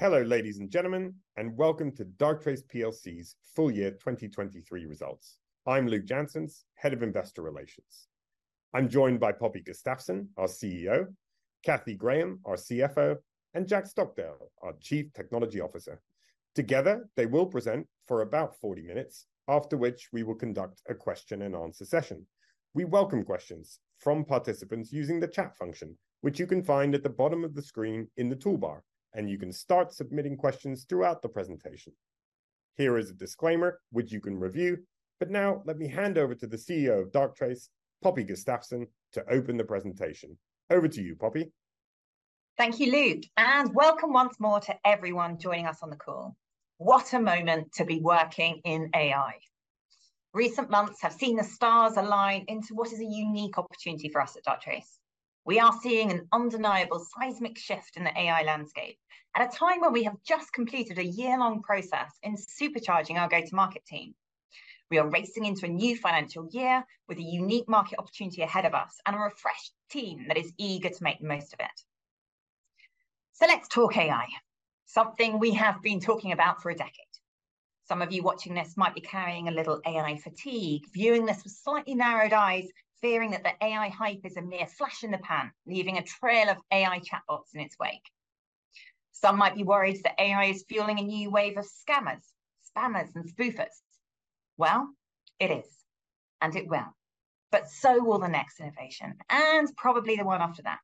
Hello, ladies and gentlemen, and welcome to Darktrace PLC's full year 2023 results. I'm Luk Janssens, Head of Investor Relations. I'm joined by Poppy Gustafsson, our CEO; Cathy Graham, our CFO; and Jack Stockdale, our Chief Technology Officer. Together, they will present for about 40 minutes, after which we will conduct a question-and-answer session. We welcome questions from participants using the chat function, which you can find at the bottom of the screen in the toolbar, and you can start submitting questions throughout the presentation. Here is a disclaimer, which you can review, but now let me hand over to the CEO of Darktrace, Poppy Gustafsson, to open the presentation. Over to you, Poppy. Thank you, Luk, and welcome once more to everyone joining us on the call. What a moment to be working in AI! Recent months have seen the stars align into what is a unique opportunity for us at Darktrace. We are seeing an undeniable seismic shift in the AI landscape at a time when we have just completed a year-long process in supercharging our go-to-market team. We are racing into a new financial year with a unique market opportunity ahead of us and a refreshed team that is eager to make the most of it. So let's talk AI, something we have been talking about for a decade. Some of you watching this might be carrying a little AI fatigue, viewing this with slightly narrowed eyes, fearing that the AI hype is a mere flash in the pan, leaving a trail of AI chatbots in its wake. Some might be worried that AI is fueling a new wave of scammers, spammers, and spoofers. Well, it is, and it will, but so will the next innovation, and probably the one after that.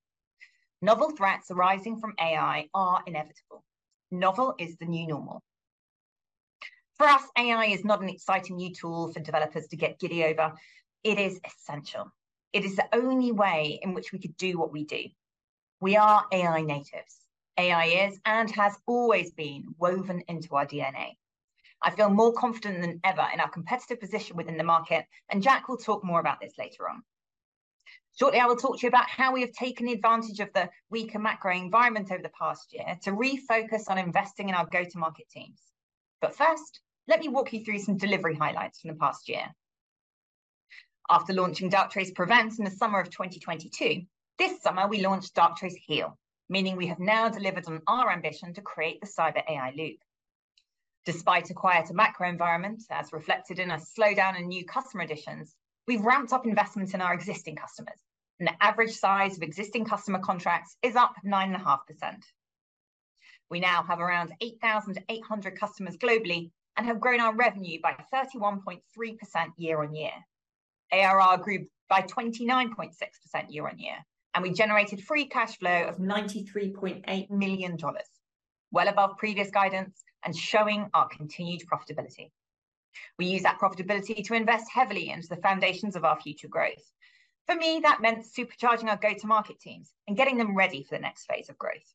Novel threats arising from AI are inevitable. Novel is the new normal. For us, AI is not an exciting new tool for developers to get giddy over, it is essential. It is the only way in which we could do what we do. We are AI natives. AI is, and has always been, woven into our DNA. I feel more confident than ever in our competitive position within the market, and Jack will talk more about this later on. Shortly, I will talk to you about how we have taken advantage of the weaker macro environment over the past year to refocus on investing in our go-to-market teams. But first, let me walk you through some delivery highlights from the past year. After launching Darktrace PREVENT in the summer of 2022, this summer we launched Darktrace HEAL, meaning we have now delivered on our ambition to create the Cyber AI Loop. Despite a quieter macro environment, as reflected in a slowdown in new customer additions, we've ramped up investments in our existing customers, and the average size of existing customer contracts is up 9.5%. We now have around 8,800 customers globally and have grown our revenue by 31.3% year-over-year. ARR grew by 29.6% year-over-year, and we generated free cash flow of $93.8 million, well above previous guidance and showing our continued profitability. We used that profitability to invest heavily into the foundations of our future growth. For me, that meant supercharging our go-to-market teams and getting them ready for the next phase of growth.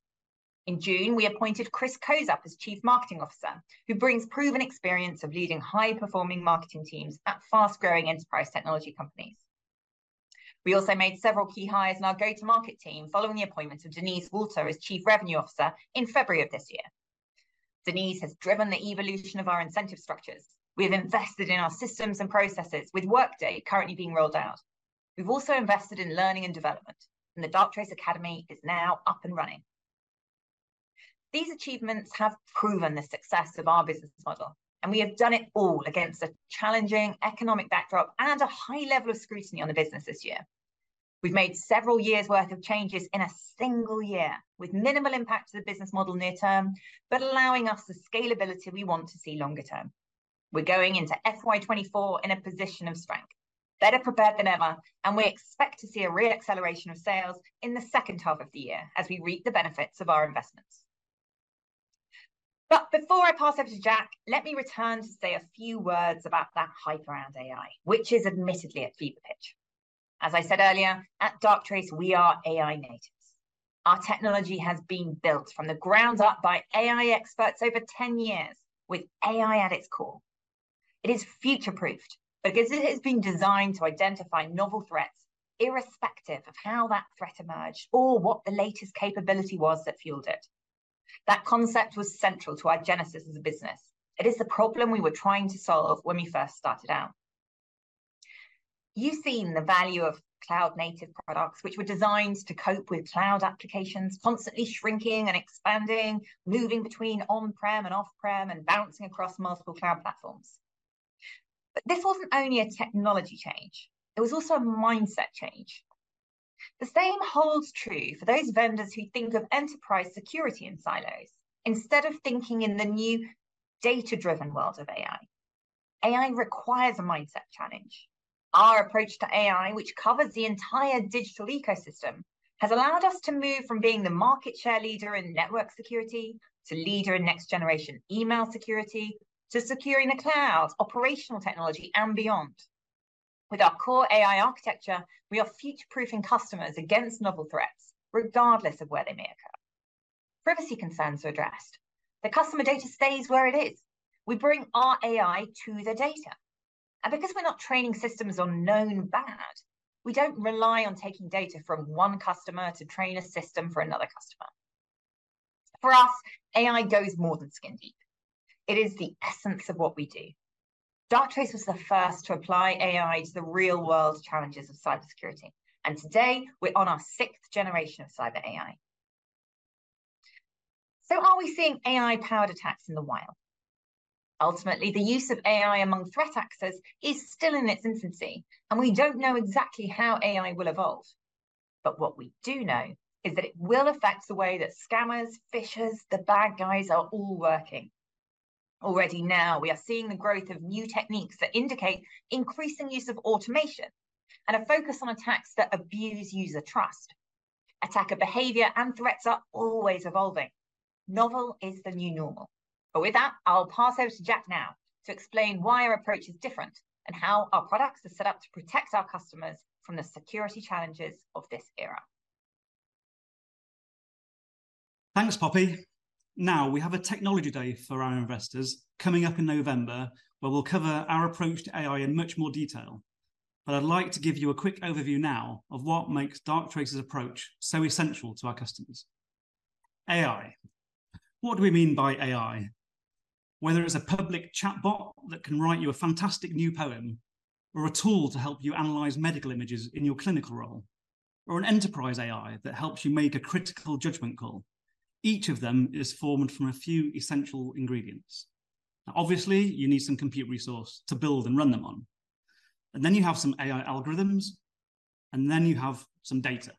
In June, we appointed Chris Kozup as Chief Marketing Officer, who brings proven experience of leading high-performing marketing teams at fast-growing enterprise technology companies. We also made several key hires in our go-to-market team following the appointment of Denise Walter as Chief Revenue Officer in February of this year. Denise has driven the evolution of our incentive structures. We have invested in our systems and processes, with Workday currently being rolled out. We've also invested in learning and development, and the Darktrace Academy is now up and running. These achievements have proven the success of our business model, and we have done it all against a challenging economic backdrop and a high level of scrutiny on the business this year. We've made several years' worth of changes in a single year, with minimal impact to the business model near term, but allowing us the scalability we want to see longer term. We're going into FY 2024 in a position of strength, better prepared than ever, and we expect to see a re-acceleration of sales in the second half of the year as we reap the benefits of our investments. But before I pass over to Jack, let me return to say a few words about that hype around AI, which is admittedly at fever pitch. As I said earlier, at Darktrace, we are AI natives. Our technology has been built from the ground up by AI experts over 10 years, with AI at its core. It is future-proofed because it has been designed to identify novel threats, irrespective of how that threat emerged or what the latest capability was that fueled it. That concept was central to our genesis as a business. It is the problem we were trying to solve when we first started out. You've seen the value of cloud-native products, which were designed to cope with cloud applications constantly shrinking and expanding, moving between on-prem and off-prem, and bouncing across multiple cloud platforms. This wasn't only a technology change, it was also a mindset change. The same holds true for those vendors who think of enterprise security in silos, instead of thinking in the new data-driven world of AI. AI requires a mindset challenge. Our approach to AI, which covers the entire digital ecosystem, has allowed us to move from being the market share leader in network security, to leader in next-generation email security, to securing the cloud, operational technology, and beyond. With our core AI architecture, we are future-proofing customers against novel threats, regardless of where they may occur. Privacy concerns are addressed. The customer data stays where it is. We bring our AI to the data, and because we're not training systems on known bad, we don't rely on taking data from one customer to train a system for another customer. For us, AI goes more than skin deep. It is the essence of what we do. Darktrace was the first to apply AI to the real-world challenges of cybersecurity, and today we're on our sixth generation of Cyber AI. So are we seeing AI-powered attacks in the wild? Ultimately, the use of AI among threat actors is still in its infancy, and we don't know exactly how AI will evolve, but what we do know is that it will affect the way that scammers, phishers, the bad guys are all working. Already now, we are seeing the growth of new techniques that indicate increasing use of automation and a focus on attacks that abuse user trust. Attacker behavior and threats are always evolving. Novel is the new normal. But with that, I'll pass over to Jack now to explain why our approach is different and how our products are set up to protect our customers from the security challenges of this era. Thanks, Poppy. Now, we have a Technology Day for our investors coming up in November, where we'll cover our approach to AI in much more detail. But I'd like to give you a quick overview now of what makes Darktrace's approach so essential to our customers. AI. What do we mean by AI? Whether it's a public chatbot that can write you a fantastic new poem, or a tool to help you analyze medical images in your clinical role, or an enterprise AI that helps you make a critical judgment call, each of them is formed from a few essential ingredients. Now, obviously, you need some compute resource to build and run them on, and then you have some AI algorithms, and then you have some data.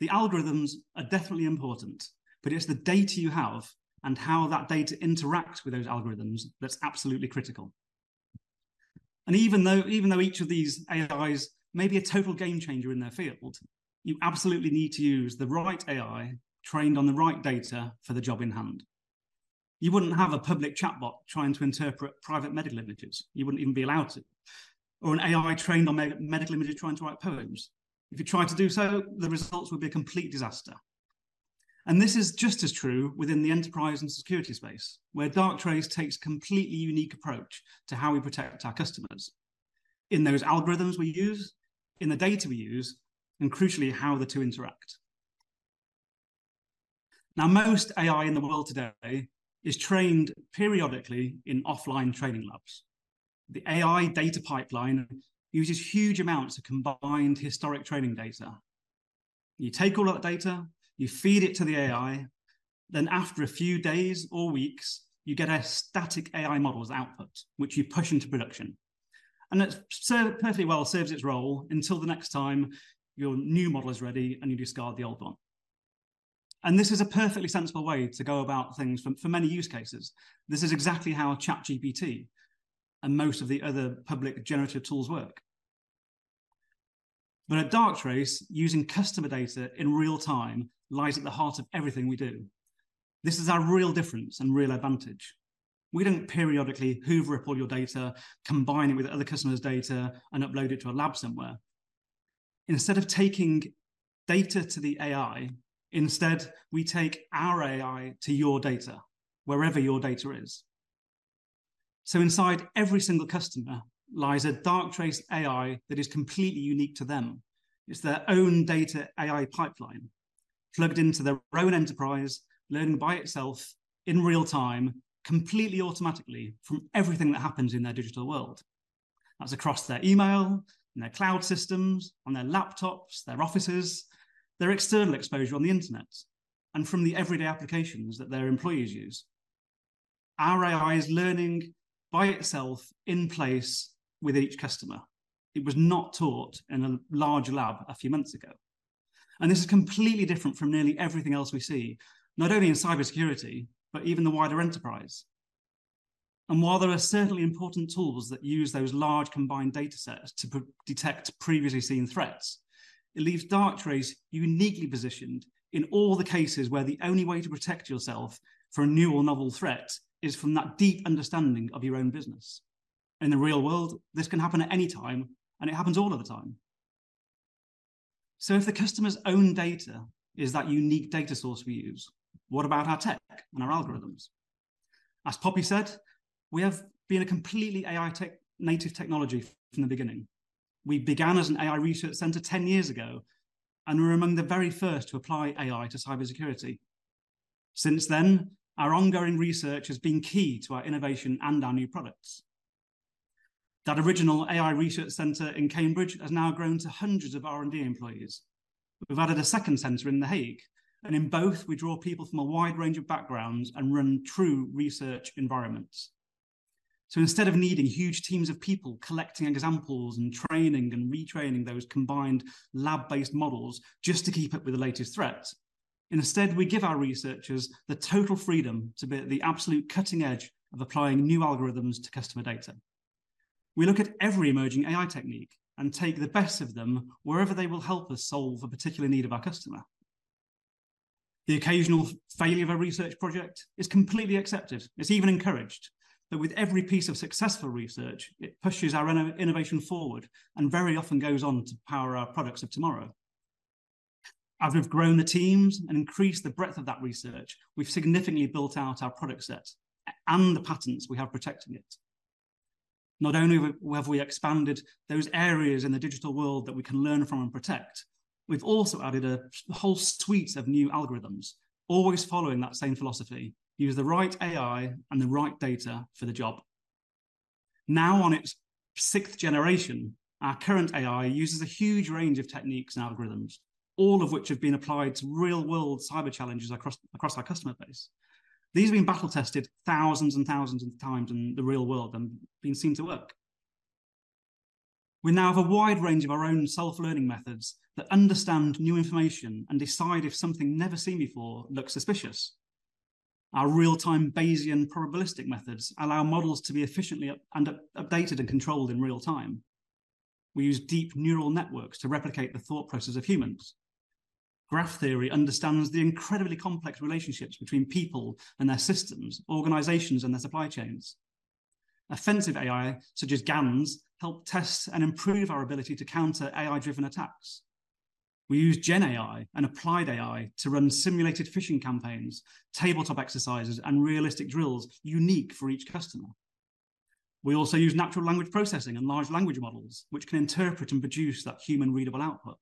The algorithms are definitely important, but it's the data you have and how that data interacts with those algorithms that's absolutely critical. And even though, even though each of these AIs may be a total game changer in their field, you absolutely need to use the right AI, trained on the right data, for the job in hand. You wouldn't have a public chatbot trying to interpret private medical images. You wouldn't even be allowed to. Or an AI trained on medical images trying to write poems. If you tried to do so, the results would be a complete disaster. And this is just as true within the enterprise and security space, where Darktrace takes a completely unique approach to how we protect our customers in those algorithms we use, in the data we use, and crucially, how the two interact. Now, most AI in the world today is trained periodically in offline training labs. The AI data pipeline uses huge amounts of combined historic training data. You take all that data, you feed it to the AI, then after a few days or weeks, you get a static AI model as output, which you push into production. And that serves perfectly well its role until the next time your new model is ready and you discard the old one. And this is a perfectly sensible way to go about things for many use cases. This is exactly how ChatGPT and most of the other public generative tools work. But at Darktrace, using customer data in real time lies at the heart of everything we do. This is our real difference and real advantage. We don't periodically hoover up all your data, combine it with other customers' data, and upload it to a lab somewhere. Instead of taking data to the AI, instead, we take our AI to your data, wherever your data is. So inside every single customer lies a Darktrace AI that is completely unique to them. It's their own data AI pipeline, plugged into their own enterprise, learning by itself in real time, completely automatically, from everything that happens in their digital world. That's across their email, in their cloud systems, on their laptops, their offices, their external exposure on the internet, and from the everyday applications that their employees use. Our AI is learning by itself in place with each customer. It was not taught in a large lab a few months ago. And this is completely different from nearly everything else we see, not only in cybersecurity, but even the wider enterprise. And while there are certainly important tools that use those large combined datasets to proactively detect previously seen threats, it leaves Darktrace uniquely positioned in all the cases where the only way to protect yourself from a new or novel threat is from that deep understanding of your own business. In the real world, this can happen at any time, and it happens all of the time. So if the customer's own data is that unique data source we use, what about our tech and our algorithms? As Poppy said, we have been a completely AI tech-native technology from the beginning. We began as an AI research center ten years ago, and we're among the very first to apply AI to cybersecurity. Since then, our ongoing research has been key to our innovation and our new products. That original AI research center in Cambridge has now grown to hundreds of R&D employees. We've added a second center in The Hague, and in both, we draw people from a wide range of backgrounds and run true research environments. So instead of needing huge teams of people collecting examples and training and retraining those combined lab-based models just to keep up with the latest threats, instead, we give our researchers the total freedom to be at the absolute cutting edge of applying new algorithms to customer data. We look at every emerging AI technique and take the best of them wherever they will help us solve a particular need of our customer. The occasional failure of a research project is completely accepted. It's even encouraged. But with every piece of successful research, it pushes our innovation forward and very often goes on to power our products of tomorrow. As we've grown the teams and increased the breadth of that research, we've significantly built out our product set and the patents we have protecting it. Not only have we expanded those areas in the digital world that we can learn from and protect. We've also added a whole suite of new algorithms, always following that same philosophy: use the right AI and the right data for the job. Now, on its sixth generation, our current AI uses a huge range of techniques and algorithms, all of which have been applied to real-world cyber challenges across our customer base. These have been battle-tested thousands and thousands of times in the real world and been seen to work. We now have a wide range of our own self-learning methods that understand new information and decide if something never seen before looks suspicious. Our real-time Bayesian probabilistic methods allow models to be efficiently up- and updated and controlled in real time. We use deep neural networks to replicate the thought process of humans. Graph theory understands the incredibly complex relationships between people and their systems, organizations, and their supply chains. Offensive AI, such as GANs, help test and improve our ability to counter AI-driven attacks. We use gen AI and applied AI to run simulated phishing campaigns, tabletop exercises, and realistic drills unique for each customer. We also use natural language processing and large language models, which can interpret and produce that human-readable output.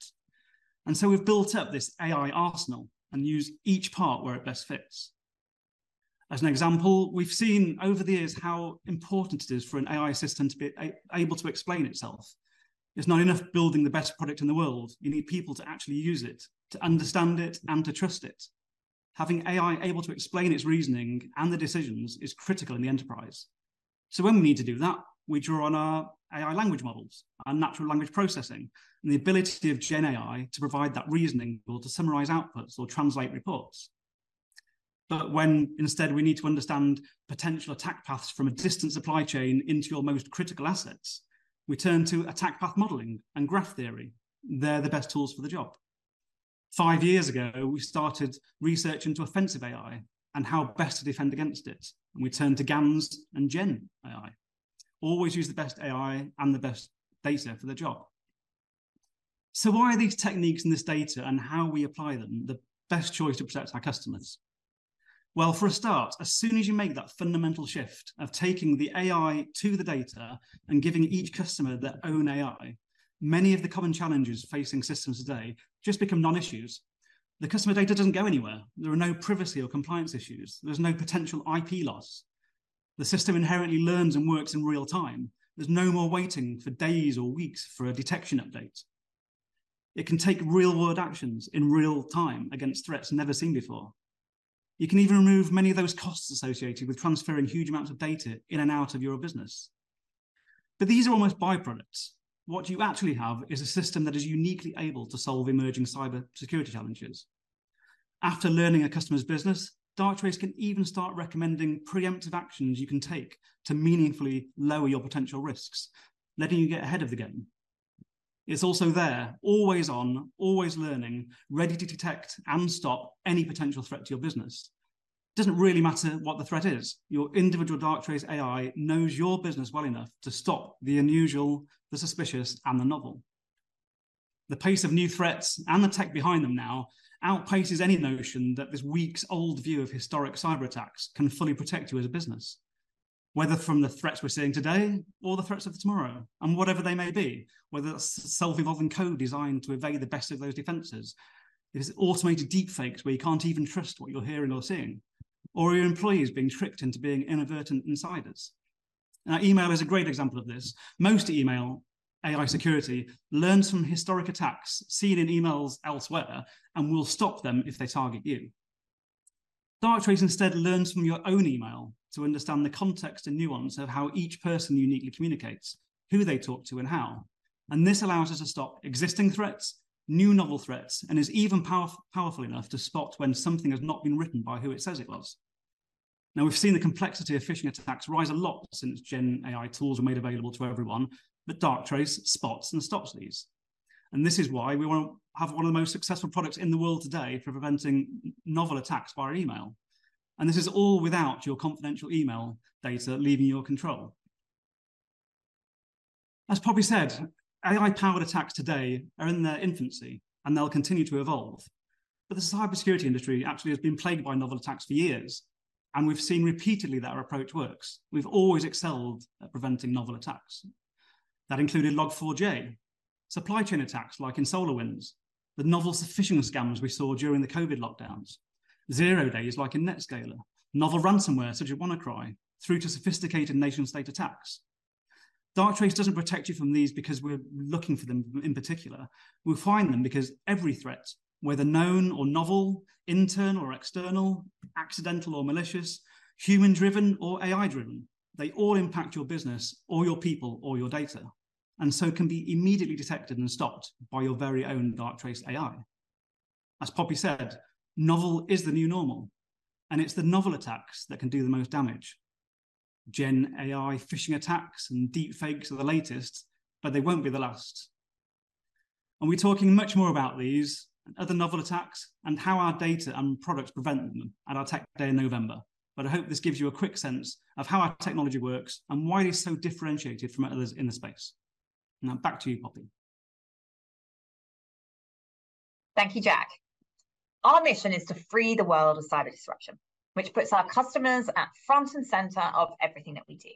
And so we've built up this AI arsenal and use each part where it best fits. As an example, we've seen over the years how important it is for an AI system to be able to explain itself. It's not enough building the best product in the world, you need people to actually use it, to understand it, and to trust it. Having AI able to explain its reasoning and the decisions is critical in the enterprise. So when we need to do that, we draw on our AI language models, and natural language processing, and the ability of Gen AI to provide that reasoning, or to summarize outputs, or translate reports. But when instead we need to understand potential attack paths from a distant supply chain into your most critical assets, we turn to attack path modeling and graph theory. They're the best tools for the job. Five years ago, we started research into offensive AI and how best to defend against it, and we turned to GANs and Gen AI. Always use the best AI and the best data for the job. So why are these techniques and this data and how we apply them the best choice to protect our customers? Well, for a start, as soon as you make that fundamental shift of taking the AI to the data and giving each customer their own AI, many of the common challenges facing systems today just become non-issues. The customer data doesn't go anywhere. There are no privacy or compliance issues. There's no potential IP loss. The system inherently learns and works in real time. There's no more waiting for days or weeks for a detection update. It can take real-world actions in real time against threats never seen before. You can even remove many of those costs associated with transferring huge amounts of data in and out of your business. But these are almost by-products. What you actually have is a system that is uniquely able to solve emerging cybersecurity challenges. After learning a customer's business, Darktrace can even start recommending preemptive actions you can take to meaningfully lower your potential risks, letting you get ahead of the game. It's also there, always on, always learning, ready to detect and stop any potential threat to your business. Doesn't really matter what the threat is, your individual Darktrace AI knows your business well enough to stop the unusual, the suspicious, and the novel. The pace of new threats and the tech behind them now outpaces any notion that this weeks-old view of historic cyber attacks can fully protect you as a business, whether from the threats we're seeing today or the threats of tomorrow, and whatever they may be, whether that's self-evolving code designed to evade the best of those defenses, it is automated deep fakes where you can't even trust what you're hearing or seeing, or your employees being tricked into being inadvertent insiders. Now, email is a great example of this. Most email AI security learns from historic attacks seen in emails elsewhere and will stop them if they target you. Darktrace instead learns from your own email to understand the context and nuance of how each person uniquely communicates, who they talk to, and how, and this allows us to stop existing threats, new novel threats, and is even powerful enough to spot when something has not been written by who it says it was. Now, we've seen the complexity of phishing attacks rise a lot since Gen AI tools were made available to everyone, but Darktrace spots and stops these, and this is why we want to have one of the most successful products in the world today for preventing novel attacks via email, and this is all without your confidential email data leaving your control. As Poppy said, AI-powered attacks today are in their infancy, and they'll continue to evolve, but the cybersecurity industry actually has been plagued by novel attacks for years, and we've seen repeatedly that our approach works. We've always excelled at preventing novel attacks. That included Log4j, supply chain attacks, like in SolarWinds, the novel phishing scams we saw during the COVID lockdowns, zero days like in NetScaler, novel ransomware, such as WannaCry, through to sophisticated nation-state attacks. Darktrace doesn't protect you from these because we're looking for them in particular. We find them because every threat, whether known or novel, internal or external, accidental or malicious, human-driven or AI-driven, they all impact your business or your people or your data, and so can be immediately detected and stopped by your very own Darktrace AI. As Poppy said, novel is the new normal, and it's the novel attacks that can do the most damage. Gen AI phishing attacks and deep fakes are the latest, but they won't be the last, and we're talking much more about these and other novel attacks and how our data and products prevent them at our Tech Day in November. But I hope this gives you a quick sense of how our technology works and why it is so differentiated from others in the space. Now, back to you, Poppy. Thank you, Jack. Our mission is to free the world of cyber disruption, which puts our customers at front and center of everything that we do.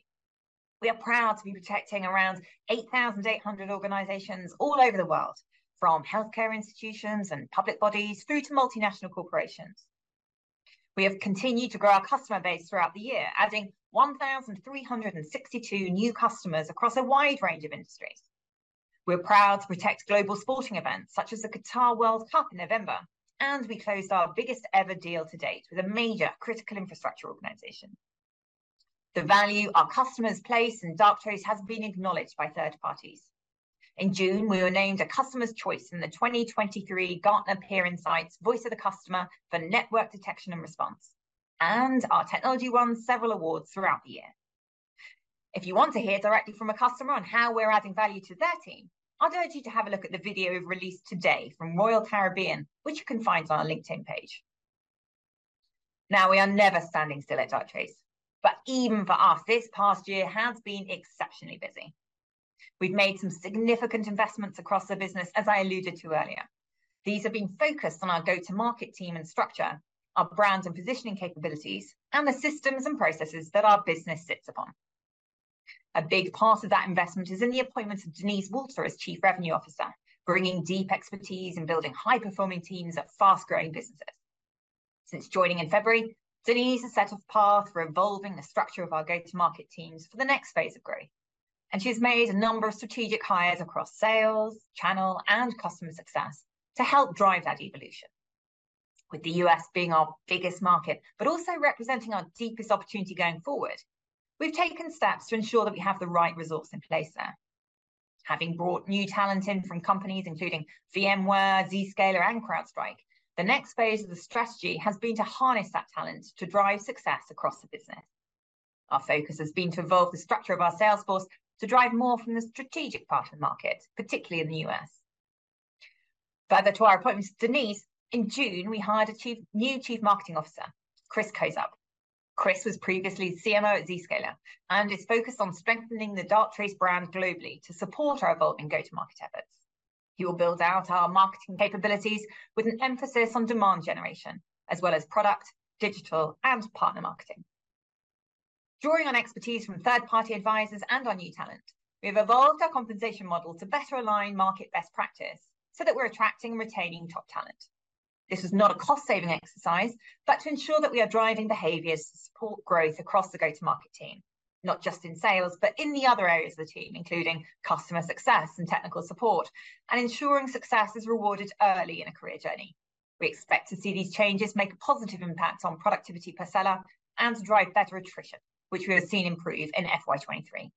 We are proud to be protecting around 8,800 organizations all over the world, from healthcare institutions and public bodies through to multinational corporations. We have continued to grow our customer base throughout the year, adding 1,362 new customers across a wide range of industries. We're proud to protect global sporting events, such as the Qatar World Cup in November, and we closed our biggest ever deal to date with a major critical infrastructure organization. The value our customers place in Darktrace has been acknowledged by third parties. In June, we were named a Customers' Choice in the 2023 Gartner Peer Insights Voice of the Customer for Network Detection and Response, and our technology won several awards throughout the year. If you want to hear directly from a customer on how we're adding value to their team, I'd urge you to have a look at the video we've released today from Royal Caribbean, which you can find on our LinkedIn page. Now, we are never standing still at Darktrace, but even for us, this past year has been exceptionally busy. We've made some significant investments across the business, as I alluded to earlier. These have been focused on our go-to-market team and structure, our brand and positioning capabilities, and the systems and processes that our business sits upon. A big part of that investment is in the appointment of Denise Walter as Chief Revenue Officer, bringing deep expertise in building high-performing teams at fast-growing businesses. Since joining in February, Denise has set a path for evolving the structure of our go-to-market teams for the next phase of growth, and she's made a number of strategic hires across sales, channel, and customer success to help drive that evolution. With the U.S. being our biggest market, but also representing our deepest opportunity going forward, we've taken steps to ensure that we have the right resources in place there. Having brought new talent in from companies including VMware, Zscaler, and CrowdStrike, the next phase of the strategy has been to harness that talent to drive success across the business. Our focus has been to evolve the structure of our sales force to drive more from the strategic part of the market, particularly in the U.S.. Further to our appointment of Denise, in June, we hired a new Chief Marketing Officer, Chris Kozup. Chris was previously CMO at Zscaler, and is focused on strengthening the Darktrace brand globally to support our evolving go-to-market efforts. He will build out our marketing capabilities with an emphasis on demand generation, as well as product, digital, and partner marketing. Drawing on expertise from third-party advisors and our new talent, we have evolved our compensation model to better align market best practice so that we're attracting and retaining top talent. This is not a cost-saving exercise, but to ensure that we are driving behaviors to support growth across the go-to-market team, not just in sales, but in the other areas of the team, including customer success and technical support, and ensuring success is rewarded early in a career journey. We expect to see these changes make a positive impact on productivity per seller and to drive better attrition, which we have seen improve in FY 2023.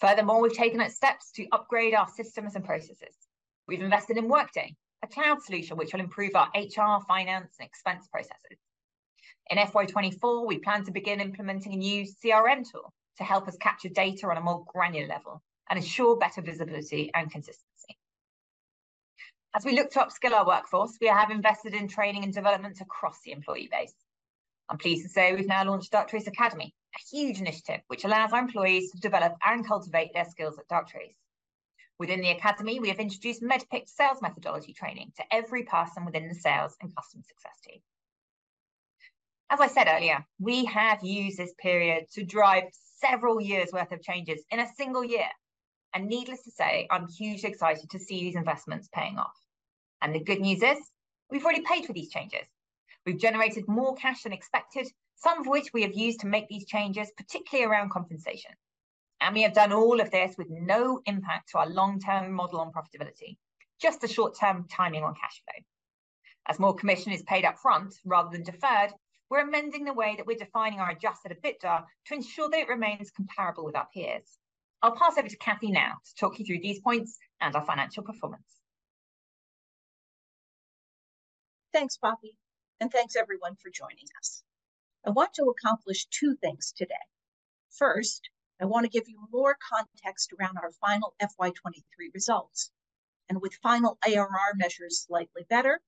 Furthermore, we've taken steps to upgrade our systems and processes. We've invested in Workday, a cloud solution which will improve our HR, finance, and expense processes. In FY 2024, we plan to begin implementing a new CRM tool to help us capture data on a more granular level and ensure better visibility and consistency. As we look to upskill our workforce, we have invested in training and development across the employee base. I'm pleased to say we've now launched Darktrace Academy, a huge initiative which allows our employees to develop and cultivate their skills at Darktrace. Within the academy, we have introduced MEDDPICC sales methodology training to every person within the sales and customer success team. As I said earlier, we have used this period to drive several years' worth of changes in a single year, and needless to say, I'm hugely excited to see these investments paying off. The good news is, we've already paid for these changes. We've generated more cash than expected, some of which we have used to make these changes, particularly around compensation, and we have done all of this with no impact to our long-term model on profitability, just the short-term timing on cash flow. As more commission is paid upfront rather than deferred, we're amending the way that we're defining our Adjusted EBITDA to ensure that it remains comparable with our peers. I'll pass over to Cathy now to talk you through these points and our financial performance. Thanks, Poppy, and thanks, everyone, for joining us. I want to accomplish two things today. First, I want to give you more context around our final FY 2023 results, and with final ARR measures slightly better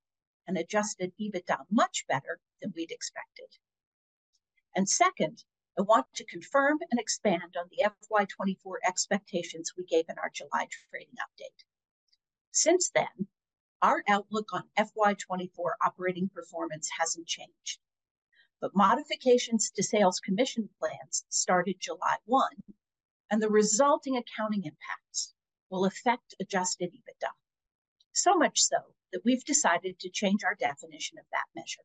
and Adjusted EBITDA much better than we'd expected. And second, I want to confirm and expand on the FY 2024 expectations we gave in our July trading update. Since then, our outlook on FY 2024 operating performance hasn't changed, but modifications to sales commission plans started July 1, and the resulting accounting impacts will affect Adjusted EBITDA, so much so that we've decided to change our definition of that measure.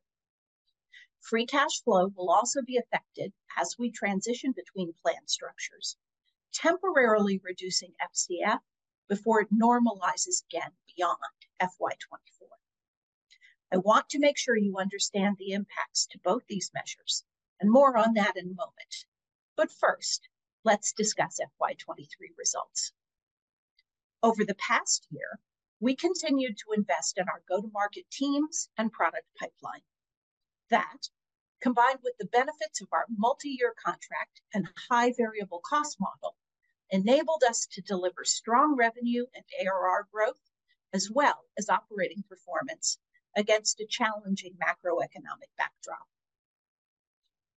Free cash flow will also be affected as we transition between plan structures, temporarily reducing FCF before it normalizes again beyond FY 2024. I want to make sure you understand the impacts to both these measures, and more on that in a moment. But first, let's discuss FY 2023 results. Over the past year, we continued to invest in our go-to-market teams and product pipeline. That, combined with the benefits of our multi-year contract and high variable cost model, enabled us to deliver strong revenue and ARR growth, as well as operating performance against a challenging macroeconomic backdrop.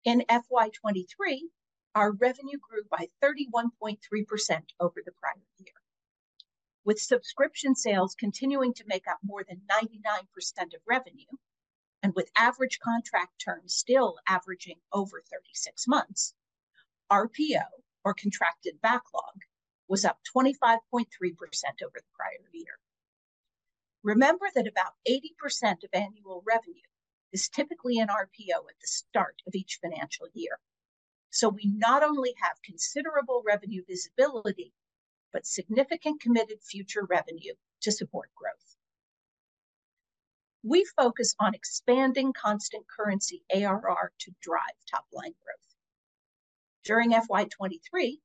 In FY 2023, our revenue grew by 31.3% over the prior year. With subscription sales continuing to make up more than 99% of revenue, and with average contract terms still averaging over 36 months, RPO or contracted backlog was up 25.3% over the prior year. Remember that about 80% of annual revenue is typically in RPO at the start of each financial year. So we not only have considerable revenue visibility, but significant committed future revenue to support growth. We focus on expanding constant currency ARR to drive top-line growth. During FY 2023,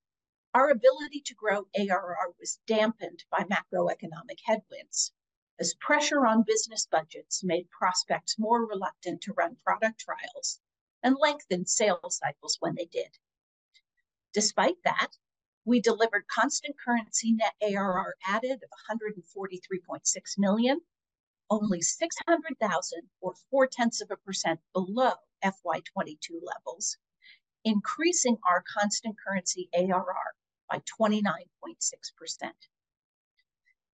our ability to grow ARR was dampened by macroeconomic headwinds, as pressure on business budgets made prospects more reluctant to run product trials and lengthened sales cycles when they did. Despite that, we delivered constant currency net ARR added of $143.6 million, only 600,000 or 0.4% below FY 2022 levels, increasing our constant currency ARR by 29.6%.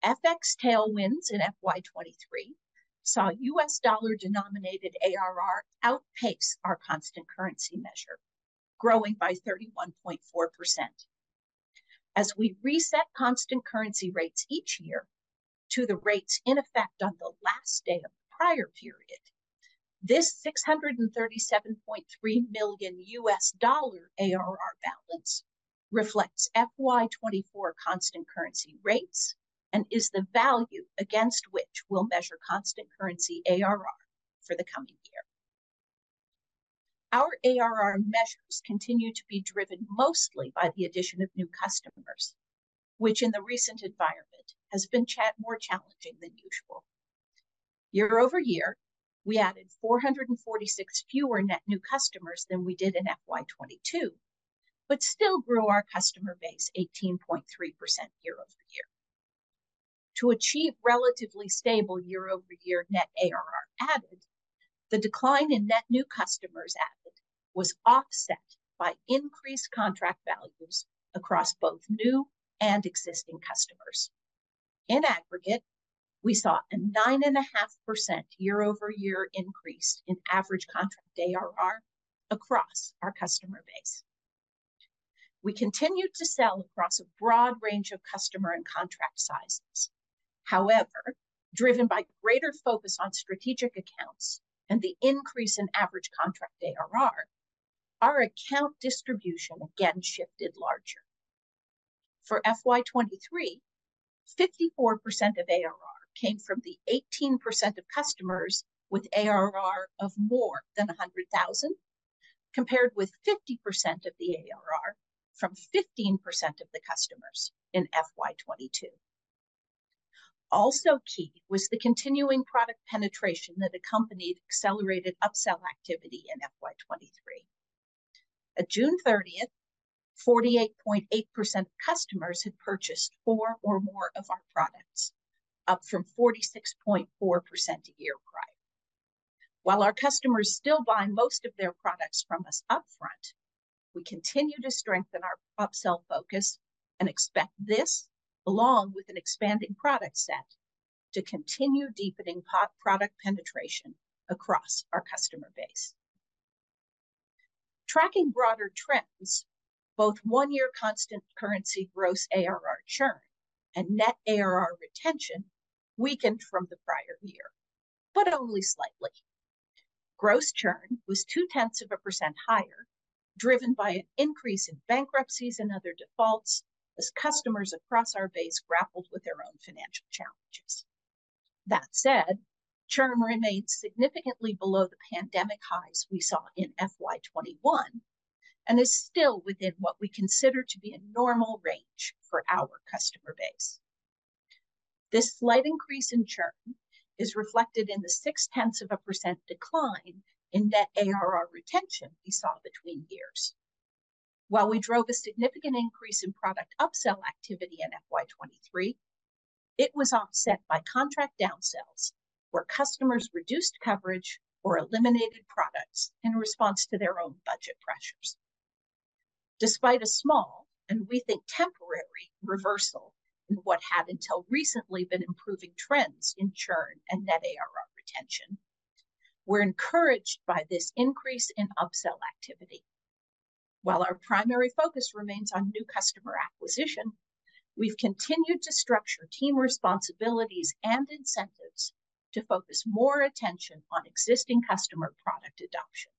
FX tailwinds in FY 2023 saw U.S. dollar-denominated ARR outpace our constant currency measure, growing by 31.4%. As we reset constant currency rates each year to the rates in effect on the last day of the prior period, this $637.3 million U.S. dollar ARR balance reflects FY 2024 constant currency rates and is the value against which we'll measure constant currency ARR for the coming year. Our ARR measures continue to be driven mostly by the addition of new customers, which in the recent environment has been more challenging than usual. Year-over-year, we added 446 fewer net new customers than we did in FY 2022, but still grew our customer base 18.3% year-over-year. To achieve relatively stable year-over-year net ARR added, the decline in net new customers added was offset by increased contract values across both new and existing customers. In aggregate, we saw a 9.5% year-over-year increase in average contract ARR across our customer base. We continued to sell across a broad range of customer and contract sizes. However, driven by greater focus on strategic accounts and the increase in average contract ARR, our account distribution again shifted larger. For FY 2023, 54% of ARR came from the 18% of customers with ARR of more than $100,000, compared with 50% of the ARR from 15% of the customers in FY 2022. Also key was the continuing product penetration that accompanied accelerated upsell activity in FY 2023. At June 30, 48.8% of customers had purchased 4 or more of our products, up from 46.4% a year prior. While our customers still buy most of their products from us upfront, we continue to strengthen our upsell focus and expect this, along with an expanding product set, to continue deepening product penetration across our customer base. Tracking broader trends, both one-year constant currency gross ARR churn and net ARR retention weakened from the prior year, but only slightly. Gross churn was 0.2% higher, driven by an increase in bankruptcies and other defaults as customers across our base grappled with their own financial challenges. That said, churn remains significantly below the pandemic highs we saw in FY 2021, and is still within what we consider to be a normal range for our customer base. This slight increase in churn is reflected in the 0.6% decline in net ARR retention we saw between years. While we drove a significant increase in product upsell activity in FY 2023, it was offset by contract downsells, where customers reduced coverage or eliminated products in response to their own budget pressures. Despite a small, and we think temporary, reversal in what had until recently been improving trends in churn and net ARR retention, we're encouraged by this increase in upsell activity. While our primary focus remains on new customer acquisition, we've continued to structure team responsibilities and incentives to focus more attention on existing customer product adoption.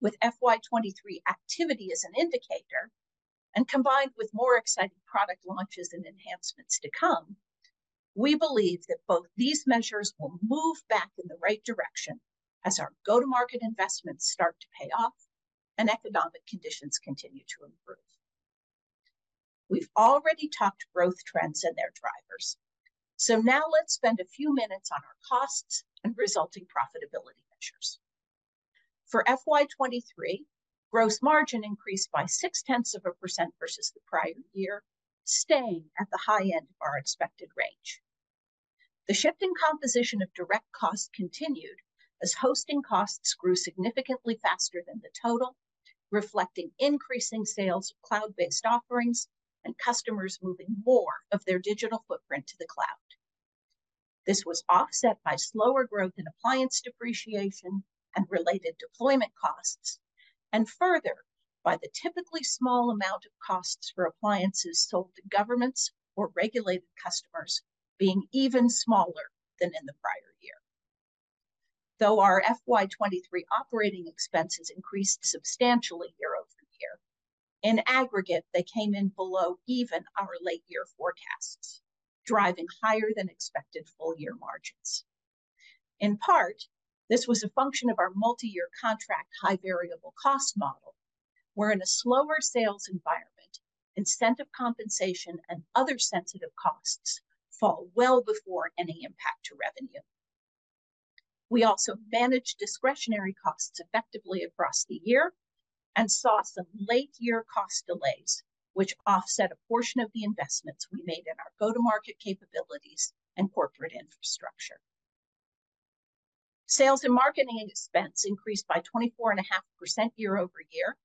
With FY 2023 activity as an indicator, and combined with more exciting product launches and enhancements to come, we believe that both these measures will move back in the right direction as our go-to-market investments start to pay off and economic conditions continue to improve. We've already talked growth trends and their drivers, so now let's spend a few minutes on our costs and resulting profitability measures. For FY 2023, gross margin increased by 0.6% versus the prior year, staying at the high end of our expected range. The shift in composition of direct costs continued as hosting costs grew significantly faster than the total, reflecting increasing sales of cloud-based offerings and customers moving more of their digital footprint to the cloud. This was offset by slower growth in appliance depreciation and related deployment costs, and further, by the typically small amount of costs for appliances sold to governments or regulated customers being even smaller than in the prior year. Though our FY 2023 operating expenses increased substantially year-over-year, in aggregate, they came in below even our late-year forecasts, driving higher-than-expected full-year margins. In part, this was a function of our multi-year contract high variable cost model, where in a slower sales environment, incentive compensation and other sensitive costs fall well before any impact to revenue. We also managed discretionary costs effectively across the year and saw some late-year cost delays, which offset a portion of the investments we made in our go-to-market capabilities and corporate infrastructure. Sales and marketing expense increased by 24.5% year-over-year,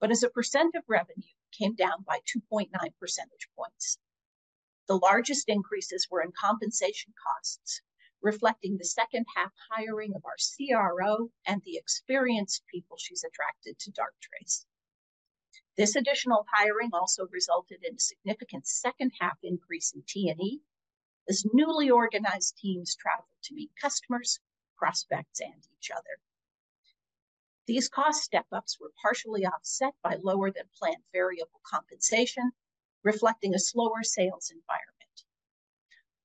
but as a percent of revenue, came down by 2.9 percentage points. The largest increases were in compensation costs, reflecting the second-half hiring of our CRO and the experienced people she's attracted to Darktrace. This additional hiring also resulted in a significant second-half increase in T&E as newly organized teams traveled to meet customers, prospects, and each other. These cost step-ups were partially offset by lower-than-planned variable compensation, reflecting a slower sales environment.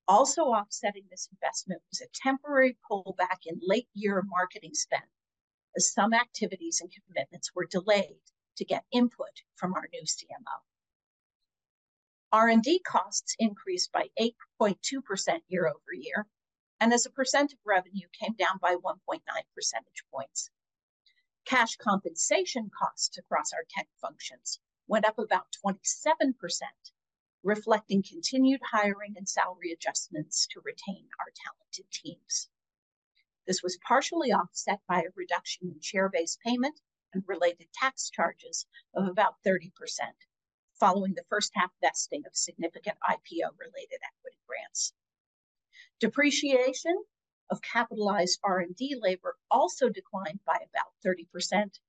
Also offsetting this investment was a temporary pullback in late-year marketing spend, as some activities and commitments were delayed to get input from our new CMO. R&D costs increased by 8.2% year-over-year, and as a percent of revenue, came down by 1.9 percentage points. Cash compensation costs across our tech functions went up about 27%, reflecting continued hiring and salary adjustments to retain our talented teams. This was partially offset by a reduction in share-based payment and related tax charges of about 30%, following the first-half vesting of significant IPO-related equity grants. Depreciation of capitalized R&D labor also declined by about 30%,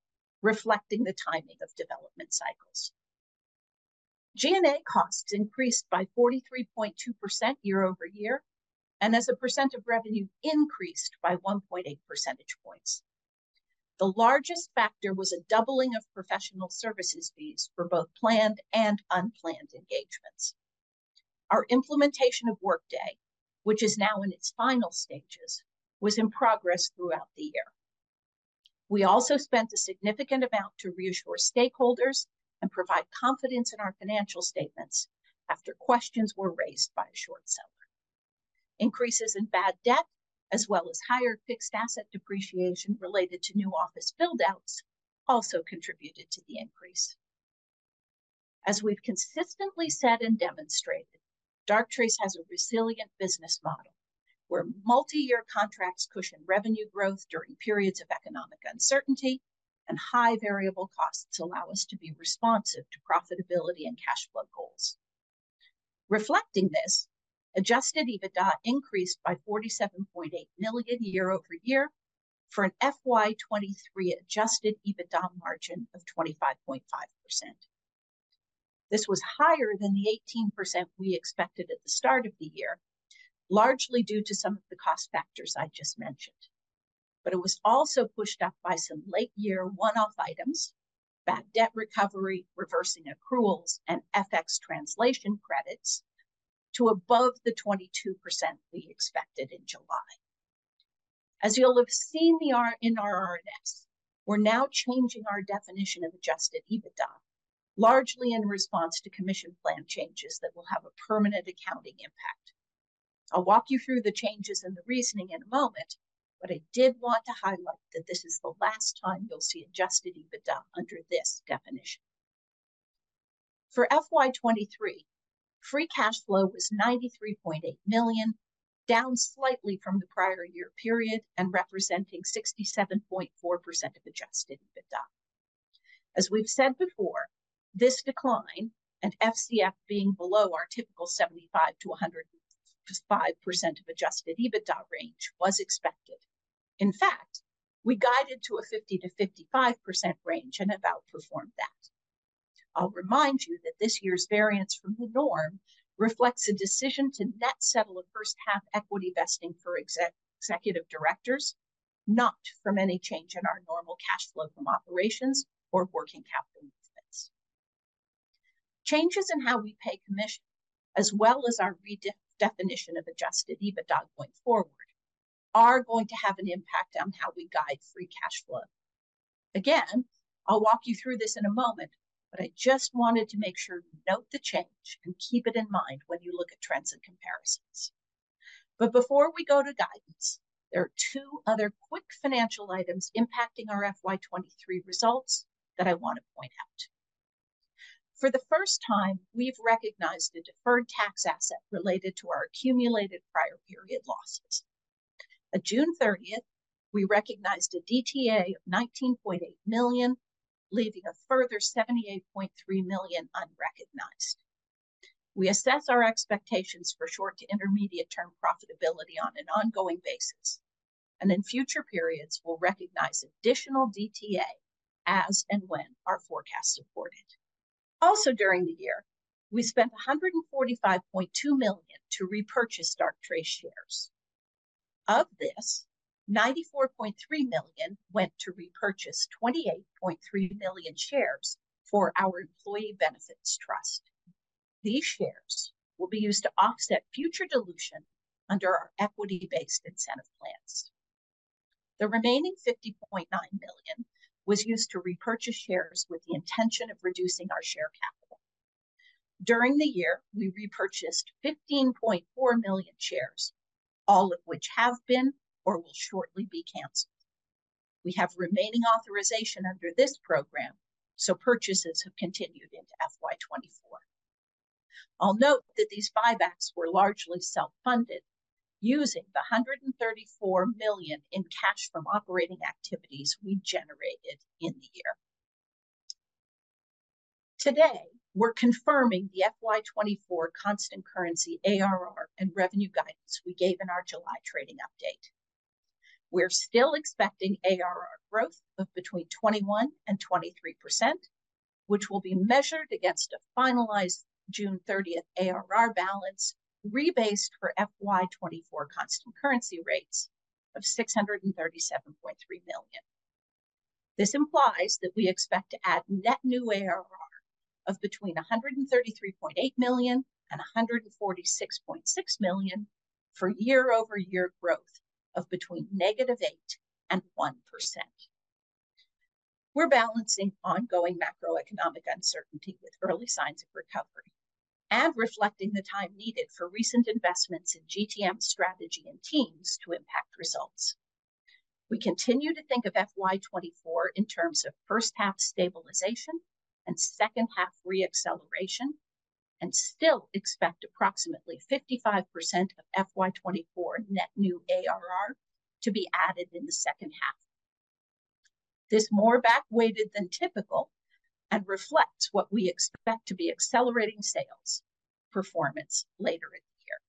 reflecting the timing of development cycles. G&A costs increased by 43.2% year-over-year, and as a percent of revenue, increased by 1.8 percentage points. The largest factor was a doubling of professional services fees for both planned and unplanned engagements. Our implementation of Workday, which is now in its final stages, was in progress throughout the year. We also spent a significant amount to reassure stakeholders and provide confidence in our financial statements after questions were raised by a short seller. Increases in bad debt, as well as higher fixed asset depreciation related to new office build-outs, also contributed to the increase. As we've consistently said and demonstrated, Darktrace has a resilient business model, where multi-year contracts cushion revenue growth during periods of economic uncertainty, and high variable costs allow us to be responsive to profitability and cash flow goals. Reflecting this, Adjusted EBITDA increased by $47.8 million year-over-year for an FY 2023 Adjusted EBITDA margin of 25.5%. This was higher than the 18% we expected at the start of the year, largely due to some of the cost factors I just mentioned. But it was also pushed up by some late-year one-off items, bad debt recovery, reversing accruals, and FX translation credits to above the 22% we expected in July. As you'll have seen the ARR in our RNS, we're now changing our definition of Adjusted EBITDA, largely in response to commission plan changes that will have a permanent accounting impact. I'll walk you through the changes and the reasoning in a moment, but I did want to highlight that this is the last time you'll see Adjusted EBITDA under this definition. For FY 2023, free cash flow was $93.8 million, down slightly from the prior year period and representing 67.4% of Adjusted EBITDA. As we've said before, this decline in FCF being below our typical 75%-105% of Adjusted EBITDA range was expected. In fact, we guided to a 50%-55% range and outperformed that. I'll remind you that this year's variance from the norm reflects a decision to net settle a first-half equity vesting for executive directors, not from any change in our normal cash flow from operations or working capital investments. Changes in how we pay commission, as well as our definition of Adjusted EBITDA going forward, are going to have an impact on how we guide free cash flow. Again, I'll walk you through this in a moment, but I just wanted to make sure you note the change and keep it in mind when you look at trends and comparisons. But before we go to guidance, there are two other quick financial items impacting our FY 2023 results that I want to point out. For the first time, we've recognized a deferred tax asset related to our accumulated prior period losses. At June 30th, we recognized a DTA of $19.8 million, leaving a further $78.3 million unrecognized. We assess our expectations for short to intermediate-term profitability on an ongoing basis, and in future periods, we'll recognize additional DTA as and when our forecast support it. Also, during the year, we spent $145.2 million to repurchase Darktrace shares. Of this, $94.3 million went to repurchase 28.3 million shares for our employee benefits trust. These shares will be used to offset future dilution under our equity-based incentive plans. The remaining $50.9 million was used to repurchase shares with the intention of reducing our share capital. During the year, we repurchased 15.4 million shares, all of which have been or will shortly be canceled. We have remaining authorization under this program, so purchases have continued into FY 2024. I'll note that these buybacks were largely self-funded, using the $134 million in cash from operating activities we generated in the year. Today, we're confirming the FY 2024 constant currency ARR and revenue guidance we gave in our July trading update. We're still expecting ARR growth of between 21% and 23%, which will be measured against a finalized June 30 ARR balance rebased for FY 2024 constant currency rates of $637.3 million. This implies that we expect to add net new ARR of between $133.8 million and $146.6 million, for year-over-year growth of between -8% and 1%. We're balancing ongoing macroeconomic uncertainty with early signs of recovery and reflecting the time needed for recent investments in GTM strategy and teams to impact results. We continue to think of FY 2024 in terms of first half stabilization and second half re-acceleration, and still expect approximately 55% of FY 2024 net new ARR to be added in the second half. This is more back-weighted than typical and reflects what we expect to be accelerating sales performance later in the year.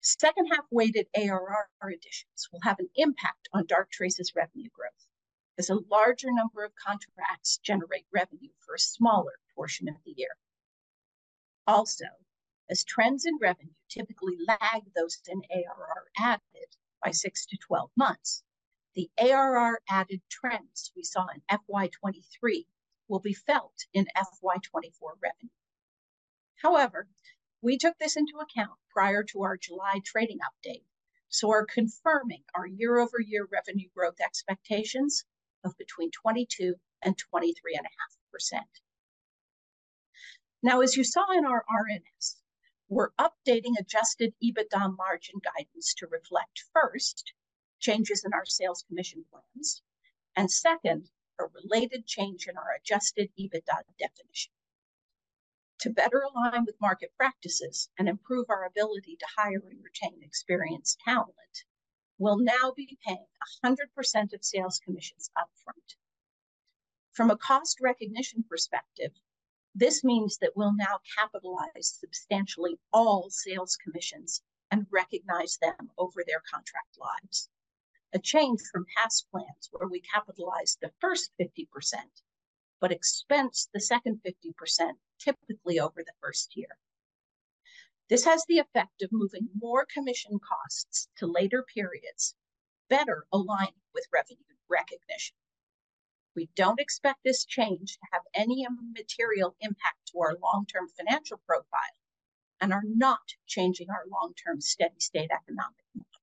Second half-weighted ARR additions will have an impact on Darktrace's revenue growth, as a larger number of contracts generate revenue for a smaller portion of the year. Also, as trends in revenue typically lag those in ARR added by 6-12 months, the ARR added trends we saw in FY 2023 will be felt in FY 2024 revenue. However, we took this into account prior to our July trading update, so are confirming our year-over-year revenue growth expectations of between 22% and 23.5%. Now, as you saw in our RNS, we're updating Adjusted EBITDA margin guidance to reflect, first, changes in our sales commission plans, and second, a related change in our Adjusted EBITDA definition. To better align with market practices and improve our ability to hire and retain experienced talent, we'll now be paying 100% of sales commissions upfront. From a cost recognition perspective, this means that we'll now capitalize substantially all sales commissions and recognize them over their contract lives, a change from past plans where we capitalized the first 50%, but expensed the second 50%, typically over the first year. This has the effect of moving more commission costs to later periods, better aligning with revenue recognition. We don't expect this change to have any material impact to our long-term financial profile and are not changing our long-term steady-state economic model.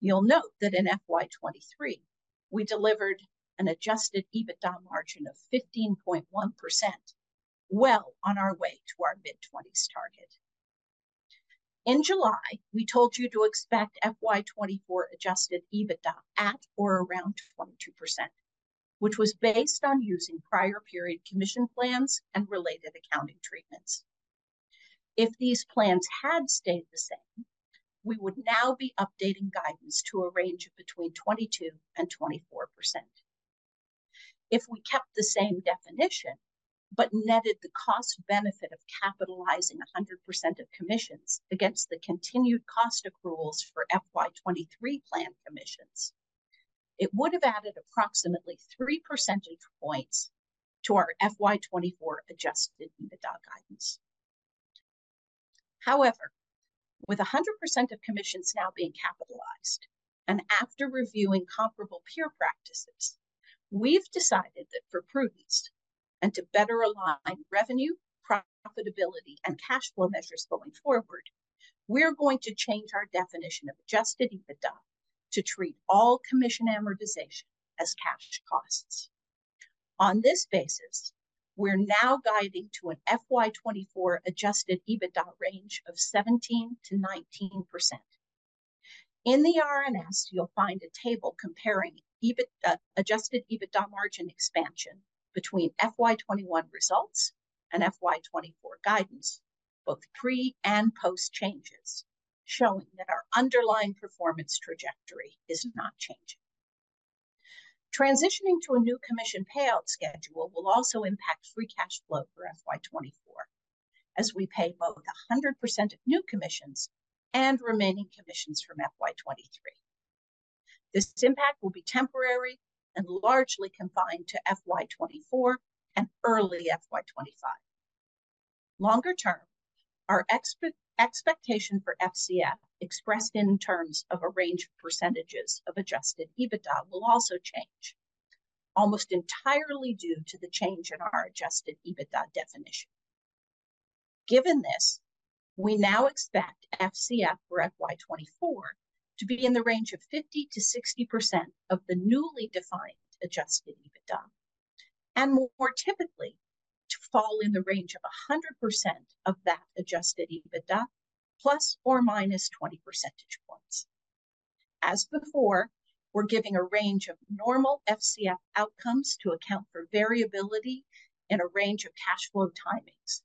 You'll note that in FY 2023, we delivered an adjusted EBITDA margin of 15.1%, well on our way to our mid-20s target. In July, we told you to expect FY 2024 adjusted EBITDA at or around 22%, which was based on using prior period commission plans and related accounting treatments. If these plans had stayed the same, we would now be updating guidance to a range of between 22% and 24%. If we kept the same definition, but netted the cost benefit of capitalizing 100% of commissions against the continued cost accruals for FY 2023 plan commissions, it would have added approximately 3 percentage points to our FY 2024 adjusted EBITDA guidance. However, with 100% of commissions now being capitalized, and after reviewing comparable peer practices, we've decided that for prudence and to better align revenue, profitability, and cash flow measures going forward, we're going to change our definition of adjusted EBITDA to treat all commission amortization as cash costs. On this basis, we're now guiding to an FY 2024 Adjusted EBITDA range of 17%-19%. In the RNS, you'll find a table comparing adjusted EBITDA margin expansion between FY 2021 results and FY 2024 guidance, both pre- and post-changes, showing that our underlying performance trajectory is not changing. Transitioning to a new commission payout schedule will also impact free cash flow for FY 2024, as we pay both 100% of new commissions and remaining commissions from FY 2023. This impact will be temporary and largely confined to FY 2024 and early FY 2025. Longer term, our expectation for FCF, expressed in terms of a range of percentages of Adjusted EBITDA, will also change, almost entirely due to the change in our Adjusted EBITDA definition. Given this, we now expect FCF for FY 2024 to be in the range of 50%-60% of the newly defined Adjusted EBITDA, and more typically, to fall in the range of 100% of that Adjusted EBITDA, plus or minus 20 percentage points. As before, we're giving a range of normal FCF outcomes to account for variability and a range of cash flow timings.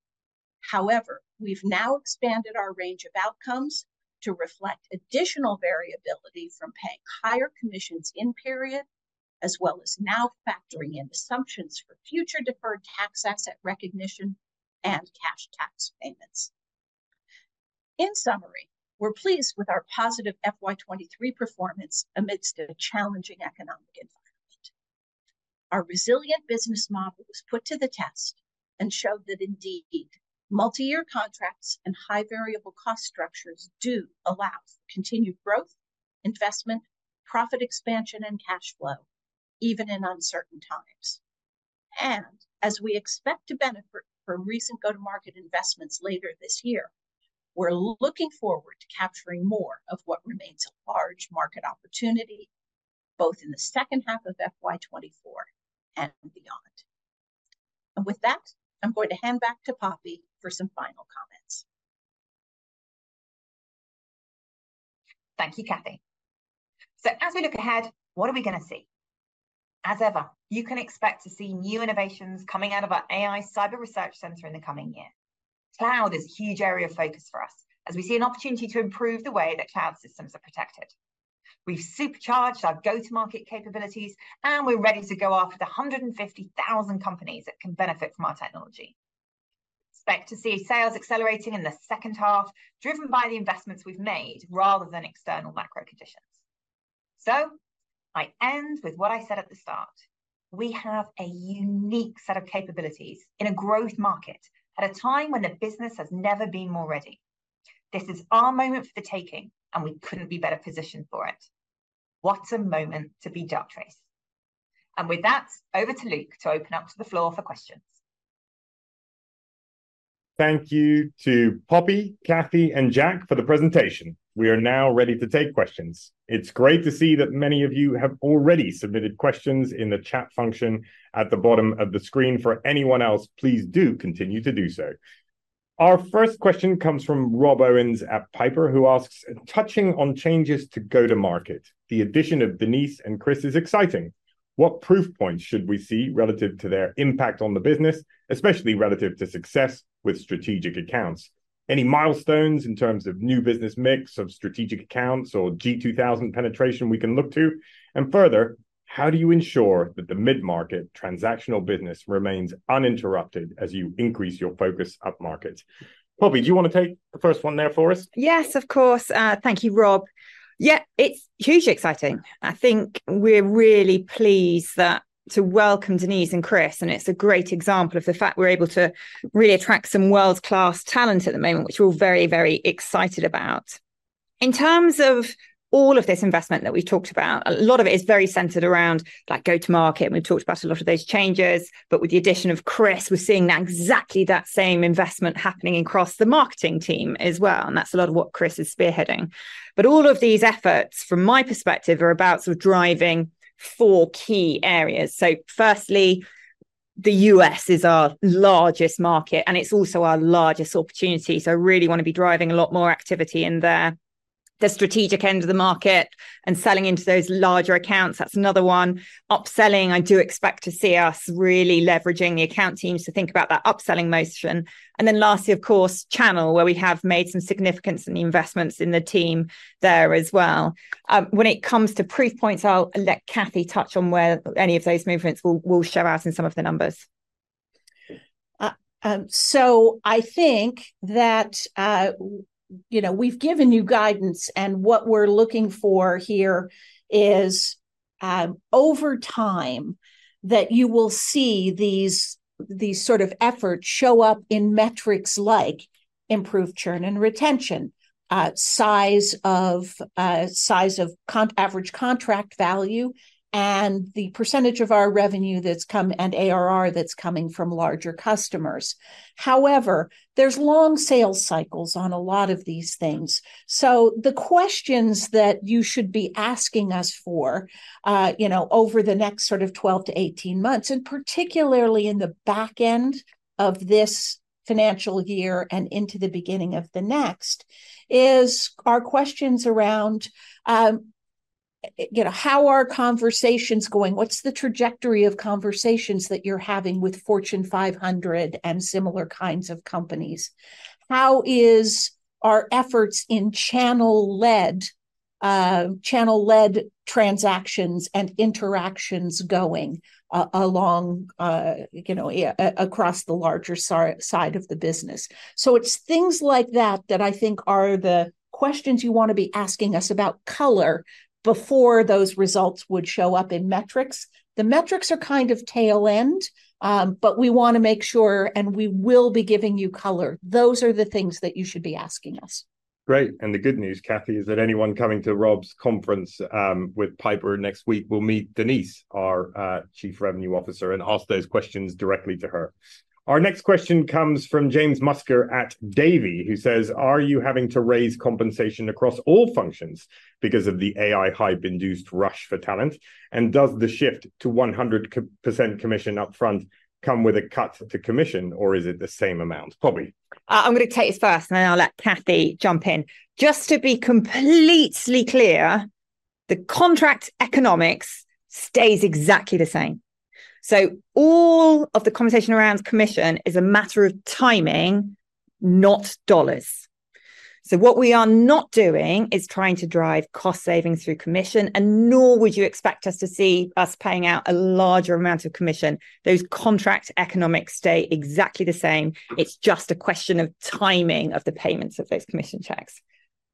However, we've now expanded our range of outcomes to reflect additional variability from paying higher commissions in-period, as well as now factoring in assumptions for future deferred tax asset recognition and cash tax payments. In summary, we're pleased with our positive FY 2023 performance amidst a challenging economic environment. Our resilient business model was put to the test and showed that, indeed, multi-year contracts and high variable cost structures do allow continued growth, investment, profit expansion, and cash flow, even in uncertain times. As we expect to benefit from recent go-to-market investments later this year, we're looking forward to capturing more of what remains a large market opportunity, both in the second half of FY 2024 and beyond. And with that, I'm going to hand back to Poppy for some final comments. Thank you, Cathy. So as we look ahead, what are we gonna see? As ever, you can expect to see new innovations coming out of our AI cyber research center in the coming year. Cloud is a huge area of focus for us, as we see an opportunity to improve the way that cloud systems are protected. We've supercharged our go-to-market capabilities, and we're ready to go after the 150,000 companies that can benefit from our technology. Expect to see sales accelerating in the second half, driven by the investments we've made, rather than external macro conditions. So I end with what I said at the start: We have a unique set of capabilities in a growth market, at a time when the business has never been more ready. This is our moment for the taking, and we couldn't be better positioned for it. What a moment to be Darktrace! With that, over to Luk to open up to the floor for questions. Thank you to Poppy, Cathy, and Jack for the presentation. We are now ready to take questions. It's great to see that many of you have already submitted questions in the chat function at the bottom of the screen. For anyone else, please do continue to do so. Our first question comes from Rob Owens at Piper, who asks, "Touching on changes to go-to-market, the addition of Denise and Chris is exciting. What proof points should we see relative to their impact on the business, especially relative to success with strategic accounts? Any milestones in terms of new business mix of strategic accounts or G2000 penetration we can look to? And further, how do you ensure that the mid-market transactional business remains uninterrupted as you increase your focus up market?" Poppy, do you want to take the first one there for us? Yes, of course. Thank you, Rob. Yeah, it's hugely exciting. I think we're really pleased to welcome Denise and Chris, and it's a great example of the fact we're able to really attract some world-class talent at the moment, which we're all very, very excited about. In terms of all of this investment that we've talked about, a lot of it is very centered around, like, go-to-market, and we've talked about a lot of those changes. But with the addition of Chris, we're seeing now exactly that same investment happening across the marketing team as well, and that's a lot of what Chris is spearheading. But all of these efforts, from my perspective, are about sort of driving four key areas. So firstly, the U.S. is our largest market, and it's also our largest opportunity, so really want to be driving a lot more activity in there. The strategic end of the market and selling into those larger accounts, that's another one. Up-selling, I do expect to see us really leveraging the account teams to think about that up-selling motion. And then lastly, of course, channel, where we have made some significant investments in the team there as well. When it comes to proof points, I'll let Cathy touch on where any of those movements will show up in some of the numbers. So I think that, you know, we've given you guidance, and what we're looking for here is, over time, that you will see these, these sort of efforts show up in metrics like improved churn and retention, size of average contract value, and the percentage of our revenue that's come and ARR that's coming from larger customers. However, there's long sales cycles on a lot of these things. So the questions that you should be asking us for, you know, over the next sort of 12-18 months, and particularly in the back end of this financial year and into the beginning of the next, is our questions around—you know, how are conversations going? What's the trajectory of conversations that you're having with Fortune 500 and similar kinds of companies? How are our efforts in channel-led transactions and interactions going along, you know, across the larger side of the business? So it's things like that that I think are the questions you wanna be asking us about color before those results would show up in metrics. The metrics are kind of tail end, but we wanna make sure, and we will be giving you color. Those are the things that you should be asking us. Great, and the good news, Cathy, is that anyone coming to Rob's conference with Piper next week will meet Denise, our Chief Revenue Officer, and ask those questions directly to her. Our next question comes from James Musker at Davy, who says, "Are you having to raise compensation across all functions because of the AI hype-induced rush for talent? And does the shift to 100% commission upfront come with a cut to commission, or is it the same amount?" Poppy. I'm gonna take this first, and then I'll let Cathy jump in. Just to be completely clear, the contract economics stays exactly the same. So all of the conversation around commission is a matter of timing, not dollars. So what we are not doing is trying to drive cost savings through commission, and nor would you expect us to see us paying out a larger amount of commission. Those contract economics stay exactly the same. It's just a question of timing of the payments of those commission checks.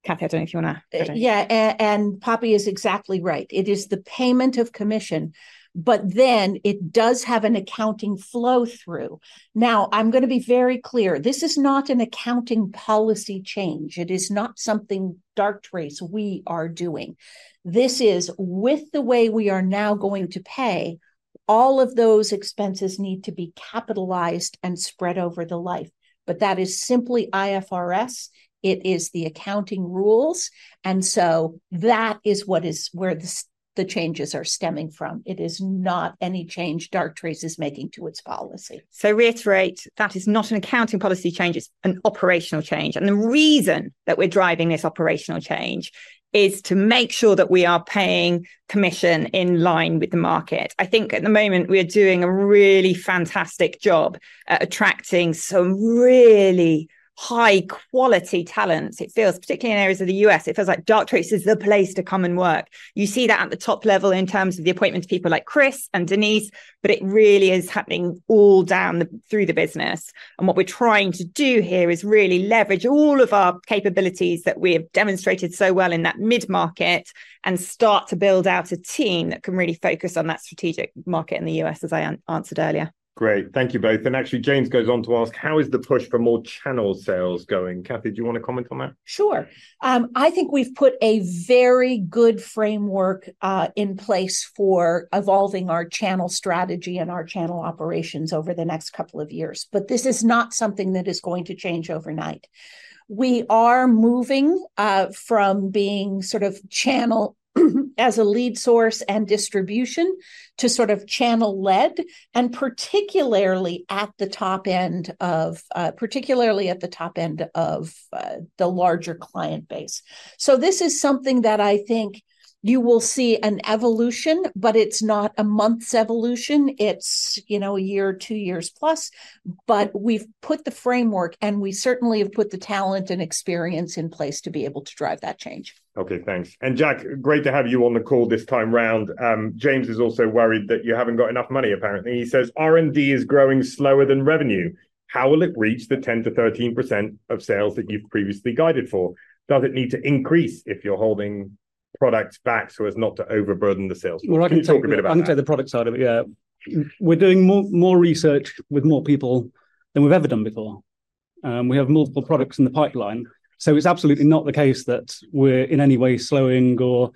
Cathy, I don't know if you wanna go next. Yeah, and Poppy is exactly right. It is the payment of commission, but then it does have an accounting flow-through. Now, I'm gonna be very clear, this is not an accounting policy change. It is not something Darktrace we are doing. This is with the way we are now going to pay, all of those expenses need to be capitalized and spread over the life, but that is simply IFRS. It is the accounting rules, and so that is what is where the changes are stemming from. It is not any change Darktrace is making to its policy. So, reiterate, that is not an accounting policy change, it's an operational change. And the reason that we're driving this operational change is to make sure that we are paying commission in line with the market. I think at the moment, we are doing a really fantastic job at attracting some really high-quality talents. It feels, particularly in areas of the U.S., it feels like Darktrace is the place to come and work. You see that at the top level in terms of the appointment of people like Chris and Denise, but it really is happening all down the, through the business. And what we're trying to do here is really leverage all of our capabilities that we have demonstrated so well in that mid-market, and start to build out a team that can really focus on that strategic market in the U.S., as I answered earlier. Great. Thank you both. And actually, James goes on to ask: "How is the push for more channel sales going?" Cathy, do you wanna comment on that? Sure. I think we've put a very good framework in place for evolving our channel strategy and our channel operations over the next couple of years, but this is not something that is going to change overnight. We are moving from being sort of channel as a lead source and distribution, to sort of channel-led, and particularly at the top end of the larger client base. So this is something that I think you will see an evolution, but it's not a months' evolution. It's, you know, a year or two years plus. But we've put the framework, and we certainly have put the talent and experience in place to be able to drive that change. Okay, thanks. And Jack, great to have you on the call this time around. James is also worried that you haven't got enough money, apparently. He says, "R&D is growing slower than revenue. How will it reach the 10%-13% of sales that you've previously guided for? Does it need to increase if you're holding products back so as not to overburden the sales? Well, I can take- Can you talk a bit about that? I can take the product side of it, yeah. We're doing more research with more people than we've ever done before. We have multiple products in the pipeline, so it's absolutely not the case that we're in any way slowing or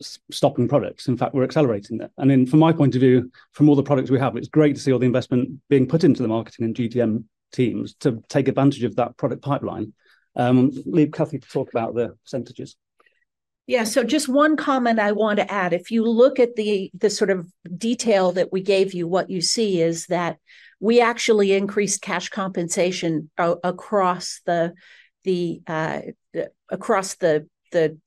stopping products. In fact, we're accelerating it. I mean, from my point of view, from all the products we have, it's great to see all the investment being put into the marketing and GTM teams to take advantage of that product pipeline. Leave Cathy to talk about the percentages. Yeah, so just one comment I want to add. If you look at the sort of detail that we gave you, what you see is that we actually increased cash compensation across the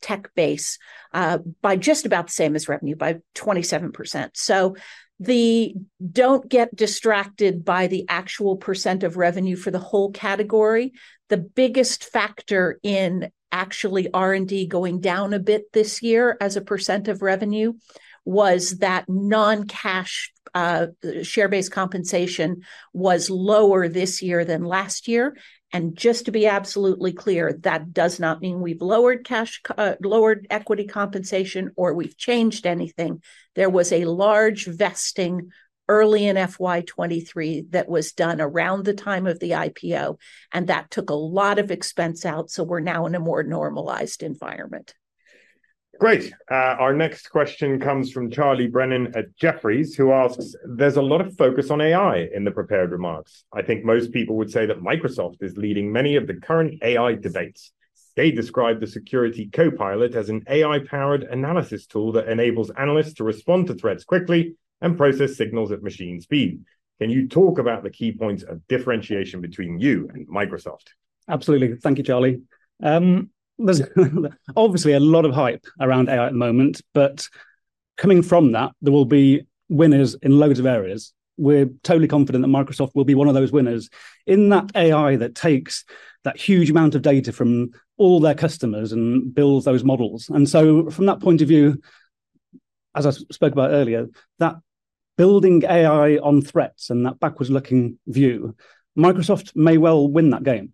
tech base by just about the same as revenue, by 27%. So the... Don't get distracted by the actual percent of revenue for the whole category. The biggest factor in actually R&D going down a bit this year as a percent of revenue was that non-cash share-based compensation was lower this year than last year. And just to be absolutely clear, that does not mean we've lowered cash lowered equity compensation, or we've changed anything. There was a large vesting early in FY 2023, that was done around the time of the IPO, and that took a lot of expense out, so we're now in a more normalized environment. Great. Our next question comes from Charlie Brennan at Jefferies, who asks: "There's a lot of focus on AI in the prepared remarks. I think most people would say that Microsoft is leading many of the current AI debates. They describe the Security Copilot as an AI-powered analysis tool that enables analysts to respond to threats quickly, and process signals at machine speed. Can you talk about the key points of differentiation between you and Microsoft? Absolutely. Thank you, Charlie. There's obviously a lot of hype around AI at the moment, but coming from that, there will be winners in loads of areas. We're totally confident that Microsoft will be one of those winners. In that AI that takes that huge amount of data from all their customers and builds those models. And so from that point of view, as I spoke about earlier, that building AI on threats and that backwards-looking view, Microsoft may well win that game.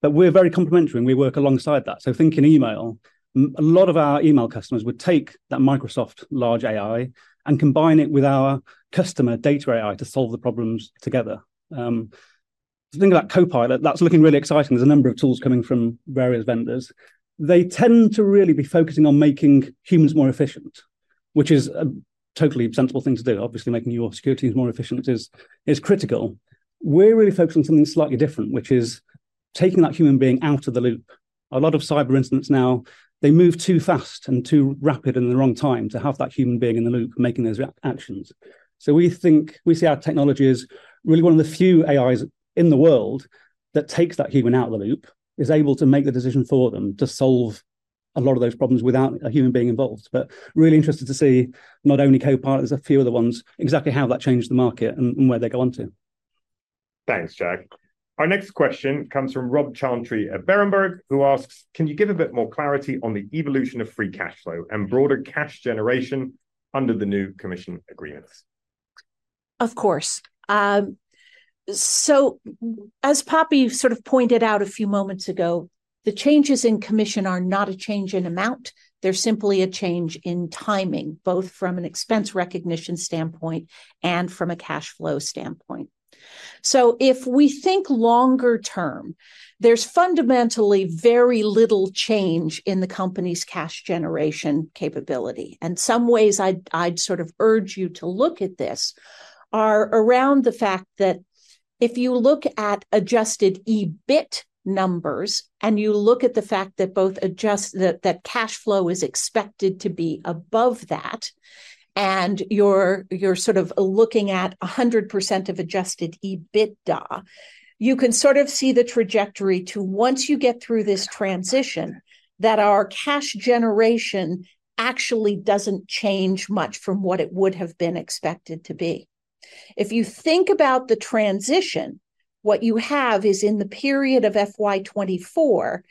But we're very complimentary, and we work alongside that. So think in email, a lot of our email customers would take that Microsoft large AI and combine it with our customer data AI to solve the problems together. Think about Copilot, that's looking really exciting. There's a number of tools coming from various vendors. They tend to really be focusing on making humans more efficient, which is a totally sensible thing to do. Obviously, making your securities more efficient is critical. We're really focused on something slightly different, which is taking that human being out of the loop. A lot of cyber incidents now, they move too fast and too rapid in the wrong time to have that human being in the loop making those reactions. So we think, we see our technology as really one of the few AIs in the world that takes that human out of the loop, is able to make the decision for them to solve a lot of those problems without a human being involved. But really interested to see not only Copilot, there's a few other ones, exactly how that changed the market and where they go on to. Thanks, Jack. Our next question comes from Rob Chantry at Berenberg, who asks: "Can you give a bit more clarity on the evolution of free cash flow and broader cash generation under the new commission agreements? Of course. So as Poppy sort of pointed out a few moments ago, the changes in commission are not a change in amount, they're simply a change in timing, both from an expense recognition standpoint and from a cash flow standpoint. So if we think longer term, there's fundamentally very little change in the company's cash generation capability, and some ways I'd sort of urge you to look at this are around the fact that if you look at adjusted EBIT numbers, and you look at the fact that both adjusted—that cash flow is expected to be above that, and you're sort of looking at 100% of adjusted EBITDA, you can sort of see the trajectory to once you get through this transition, that our cash generation actually doesn't change much from what it would have been expected to be. If you think about the transition, what you have is in the period of FY 2024,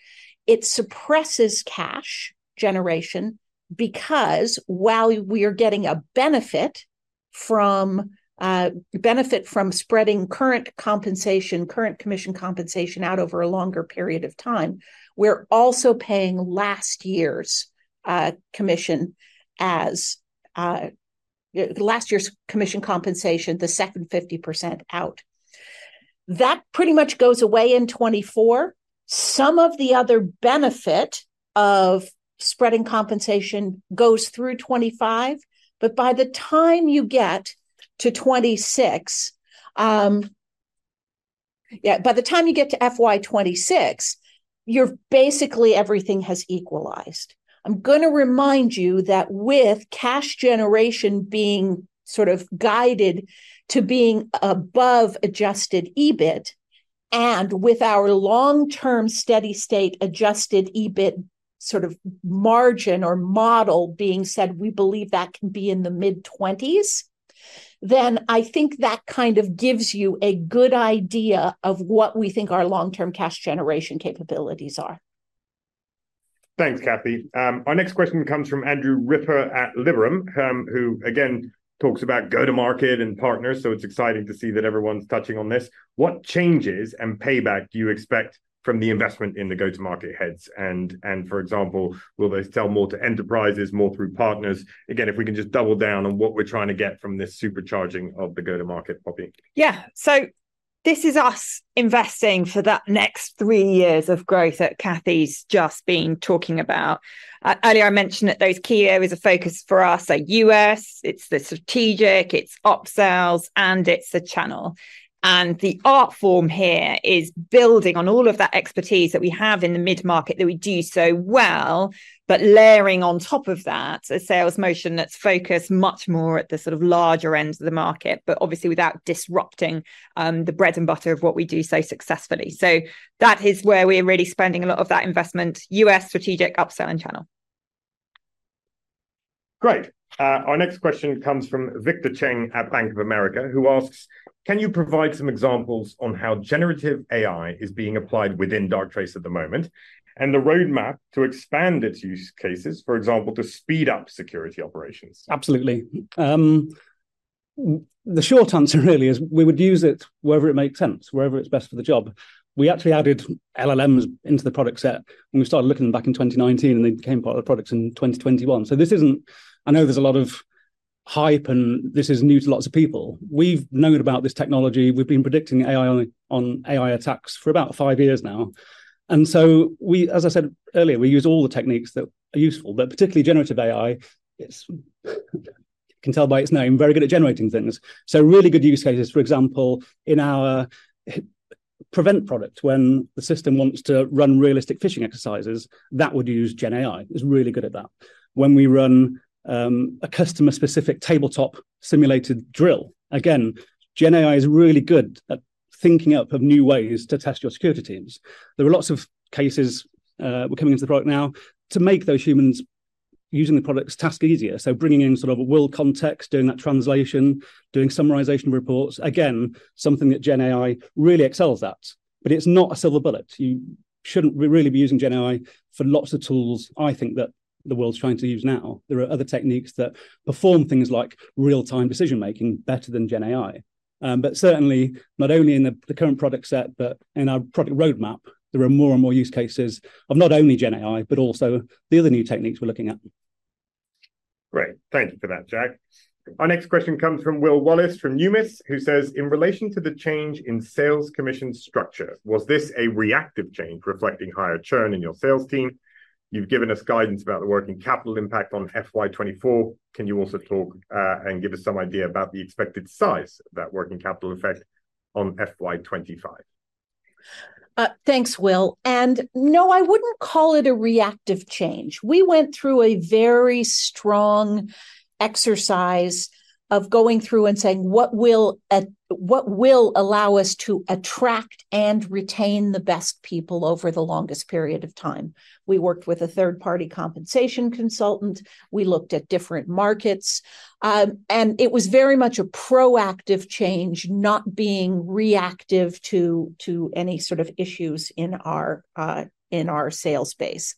it suppresses cash generation because while we are getting a benefit from, benefit from spreading current compensation, current commission compensation out over a longer period of time, we're also paying last year's, commission as, last year's commission compensation, the second 50% out. That pretty much goes away in 2024. Some of the other benefit of spreading compensation goes through 2025, but by the time you get to 2026, yeah, by the time you get to FY 2026, you're basically everything has equalized. I'm gonna remind you that with cash generation being sort of guided to being above adjusted EBIT, and with our long-term, steady state adjusted EBIT sort of margin or model being said, we believe that can be in the mid-twenties. Then I think that kind of gives you a good idea of what we think our long-term cash generation capabilities are. Thanks, Cathy. Our next question comes from Andrew Ripper at Liberum, who again, talks about go-to-market and partners, so it's exciting to see that everyone's touching on this. What changes and payback do you expect from the investment in the go-to-market heads? And, and for example, will they sell more to enterprises, more through partners? Again, if we can just double down on what we're trying to get from this supercharging of the go-to-market, Poppy. Yeah. So this is us investing for that next three years of growth that Cathy's just been talking about. Earlier I mentioned that those key areas of focus for us are U.S., it's the strategic, it's up-sells, and it's the channel. And the art form here is building on all of that expertise that we have in the mid-market that we do so well, but layering on top of that, a sales motion that's focused much more at the sort of larger ends of the market, but obviously without disrupting, the bread and butter of what we do so successfully. So that is where we're really spending a lot of that investment: U.S., strategic, up-sell, and channel. Great. Our next question comes from Victor Cheng at Bank of America, who asks: "Can you provide some examples on how generative AI is being applied within Darktrace at the moment, and the roadmap to expand its use cases, for example, to speed up security operations? Absolutely. The short answer really is we would use it wherever it makes sense, wherever it's best for the job. We actually added LLMs into the product set, and we started looking back in 2019, and they became part of the products in 2021. So this isn't... I know there's a lot of hype, and this is news to lots of people. We've known about this technology. We've been predicting AI on, on AI attacks for about five years now. And so we, as I said earlier, we use all the techniques that are useful, but particularly generative AI, it can tell by its name, very good at generating things. So really good use cases, for example, in our PREVENT product, when the system wants to run realistic phishing exercises, that would use Gen AI. It's really good at that. When we run a customer-specific tabletop simulated drill, again, Gen AI is really good at thinking up of new ways to test your security teams. There are lots of cases we're coming into the product now, to make those humans using the products task easier. So bringing in sort of a world context, doing that translation, doing summarization reports, again, something that GenAI really excels at, but it's not a silver bullet. You shouldn't really be using GenAI for lots of tools I think that the world's trying to use now. There are other techniques that perform things like real-time decision-making better than GenAI. But certainly, not only in the current product set, but in our product roadmap, there are more and more use cases of not only GenAI, but also the other new techniques we're looking at. Great. Thank you for that, Jack. Our next question comes from Will Wallace from Numis, who says, "In relation to the change in sales commission structure, was this a reactive change reflecting higher churn in your sales team? You've given us guidance about the working capital impact on FY 2024, can you also talk, and give us some idea about the expected size of that working capital effect on FY 2025? Thanks, Will, and no, I wouldn't call it a reactive change. We went through a very strong exercise of going through and saying, "What will—what will allow us to attract and retain the best people over the longest period of time?" We worked with a third-party compensation consultant, we looked at different markets, and it was very much a proactive change, not being reactive to, to any sort of issues in our, in our sales base.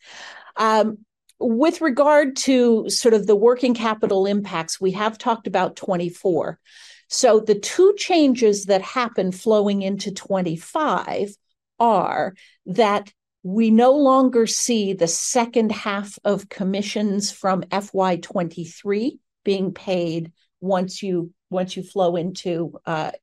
With regard to sort of the working capital impacts, we have talked about 2024. So the two changes that happened flowing into 2025 are that we no longer see the second half of commissions from FY 2023 being paid once you, once you flow into,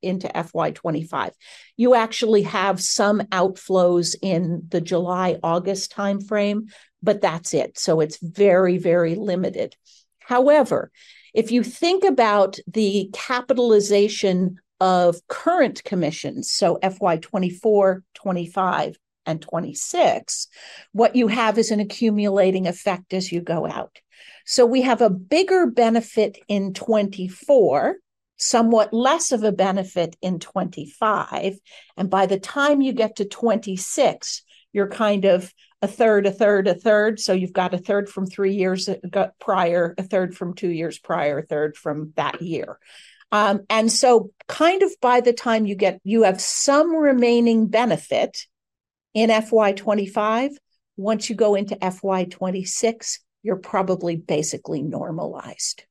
into FY 2025. You actually have some outflows in the July-August timeframe, but that's it, so it's very, very limited. However, if you think about the capitalization of current commissions, so FY 2024, 2025, and 2026, what you have is an accumulating effect as you go out. So we have a bigger benefit in 2024, somewhat less of a benefit in 2025, and by the time you get to 2026, you're kind of a third, a third, a third. So you've got a third from three years prior, a third from two years prior, a third from that year. And so kind of by the time you get, you have some remaining benefit in FY 2025. Once you go into FY 2026, you're probably basically normalized.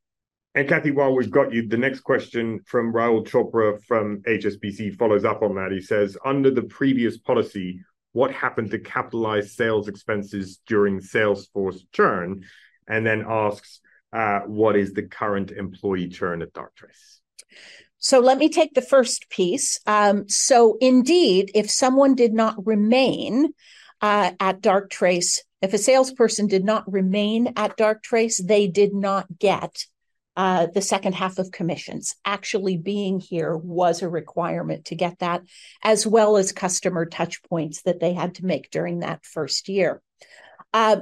Cathy, while we've got you, the next question from Rahul Chopra from HSBC follows up on that. He says, "Under the previous policy, what happened to capitalized sales expenses during sales force churn?" And then asks, "What is the current employee churn at Darktrace? So let me take the first piece. So indeed, if someone did not remain at Darktrace, if a salesperson did not remain at Darktrace, they did not get the second half of commissions. Actually being here was a requirement to get that, as well as customer touch points that they had to make during that first year.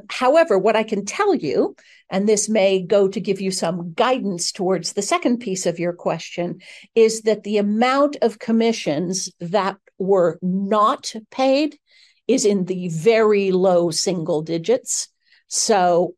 However, what I can tell you, and this may go to give you some guidance towards the second piece of your question, is that the amount of commissions that were not paid is in the very low single digits. So,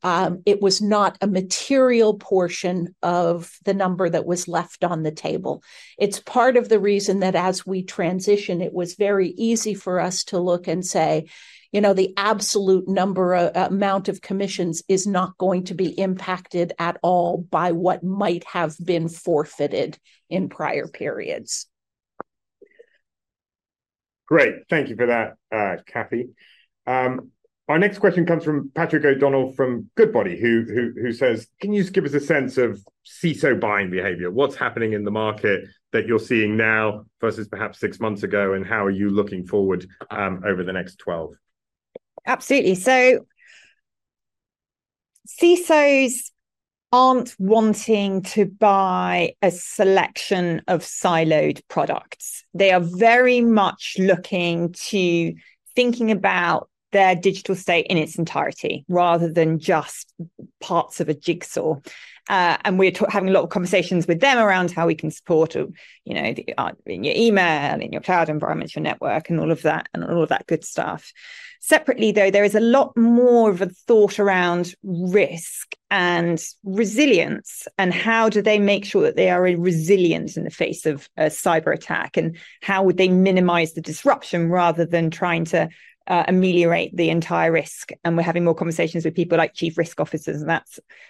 it was not a material portion of the number that was left on the table. It's part of the reason that as we transition, it was very easy for us to look and say, "You know, the absolute number, amount of commissions is not going to be impacted at all by what might have been forfeited in prior periods. Great, thank you for that, Cathy. Our next question comes from Patrick O'Donnell, from Goodbody, who says, "Can you just give us a sense of CISO buying behavior? What's happening in the market that you're seeing now, versus perhaps six months ago, and how are you looking forward, over the next twelve? Absolutely. So CISOs aren't wanting to buy a selection of siloed products. They are very much looking to thinking about their digital state in its entirety, rather than just parts of a jigsaw. And we're having a lot of conversations with them around how we can support, you know, in your email, in your cloud environment, your network, and all of that, and all of that good stuff. Separately, though, there is a lot more of a thought around risk and resilience, and how do they make sure that they are resilient in the face of a cyberattack, and how would they minimize the disruption rather than trying to ameliorate the entire risk. And we're having more conversations with people like chief risk officers and that.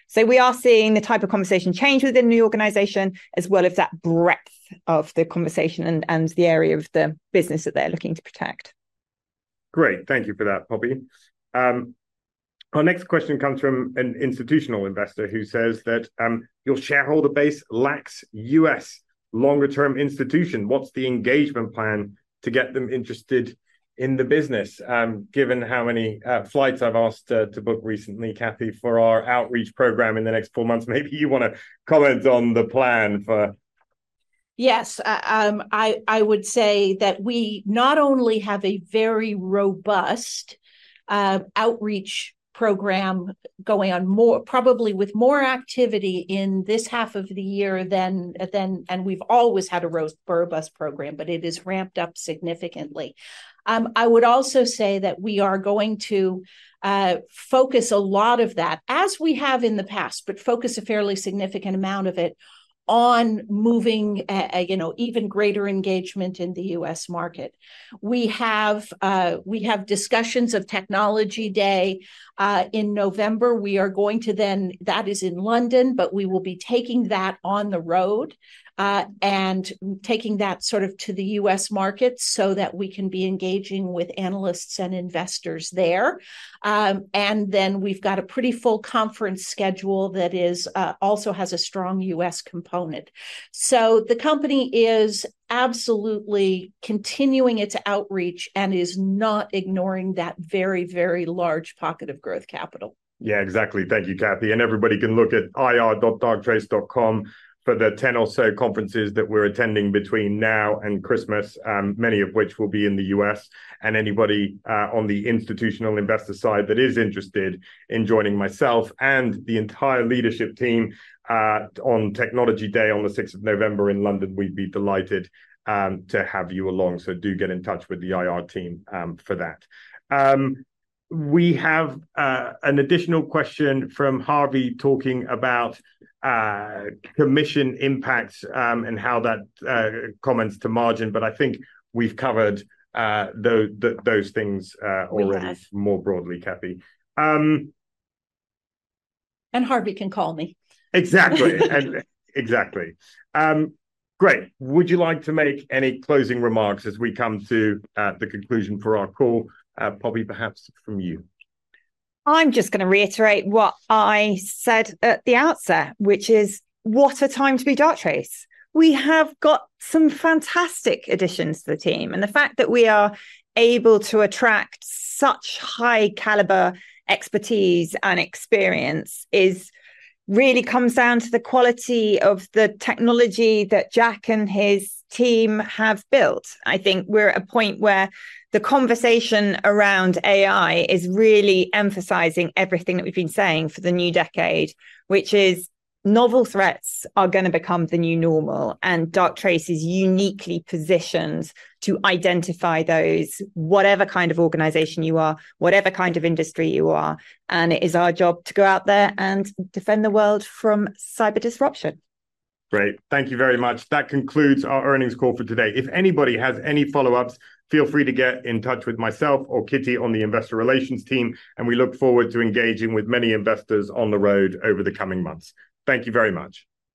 So we are seeing the type of conversation change within the organization, as well as that breadth of the conversation and the area of the business that they're looking to protect. Great, thank you for that, Poppy. Our next question comes from an institutional investor, who says that, "Your shareholder base lacks U.S. longer-term institution. What's the engagement plan to get them interested in the business?" Given how many flights I've asked to book recently, Cathy, for our outreach program in the next four months, maybe you wanna comment on the plan for- Yes, I would say that we not only have a very robust outreach program going on, probably with more activity in this half of the year than. We've always had a robust program, but it is ramped up significantly. I would also say that we are going to focus a lot of that, as we have in the past, but focus a fairly significant amount of it on moving a, you know, even greater engagement in the U.S. market. We have discussions of Technology Day in November. We are going to. That is in London, but we will be taking that on the road and taking that sort of to the U.S. market so that we can be engaging with analysts and investors there. And then we've got a pretty full conference schedule that is, also has a strong U.S. component. So the company is absolutely continuing its outreach and is not ignoring that very, very large pocket of growth capital. Yeah, exactly. Thank you, Cathy. Everybody can look at ir.darktrace.com for the 10 or so conferences that we're attending between now and Christmas, many of which will be in the U.S.. Anybody on the institutional investor side that is interested in joining myself and the entire leadership team on Technology Day on the 6th of November in London, we'd be delighted to have you along, so do get in touch with the IR team for that. We have an additional question from Harvey talking about commission impacts and how that comments to margin, but I think we've covered those things already- We have -more broadly, Cathy. Harvey can call me. Exactly, and exactly. Great. Would you like to make any closing remarks as we come to the conclusion for our call? Poppy, perhaps from you. I'm just gonna reiterate what I said at the outset, which is, what a time to be Darktrace. We have got some fantastic additions to the team, and the fact that we are able to attract such high-caliber expertise and experience is—really comes down to the quality of the technology that Jack and his team have built. I think we're at a point where the conversation around AI is really emphasizing everything that we've been saying for the new decade, which is novel threats are gonna become the new normal, and Darktrace is uniquely positioned to identify those, whatever kind of organization you are, whatever kind of industry you are, and it is our job to go out there and defend the world from cyber disruption. Great. Thank you very much. That concludes our earnings call for today. If anybody has any follow-ups, feel free to get in touch with myself or Cathy on the investor relations team, and we look forward to engaging with many investors on the road over the coming months. Thank you very much.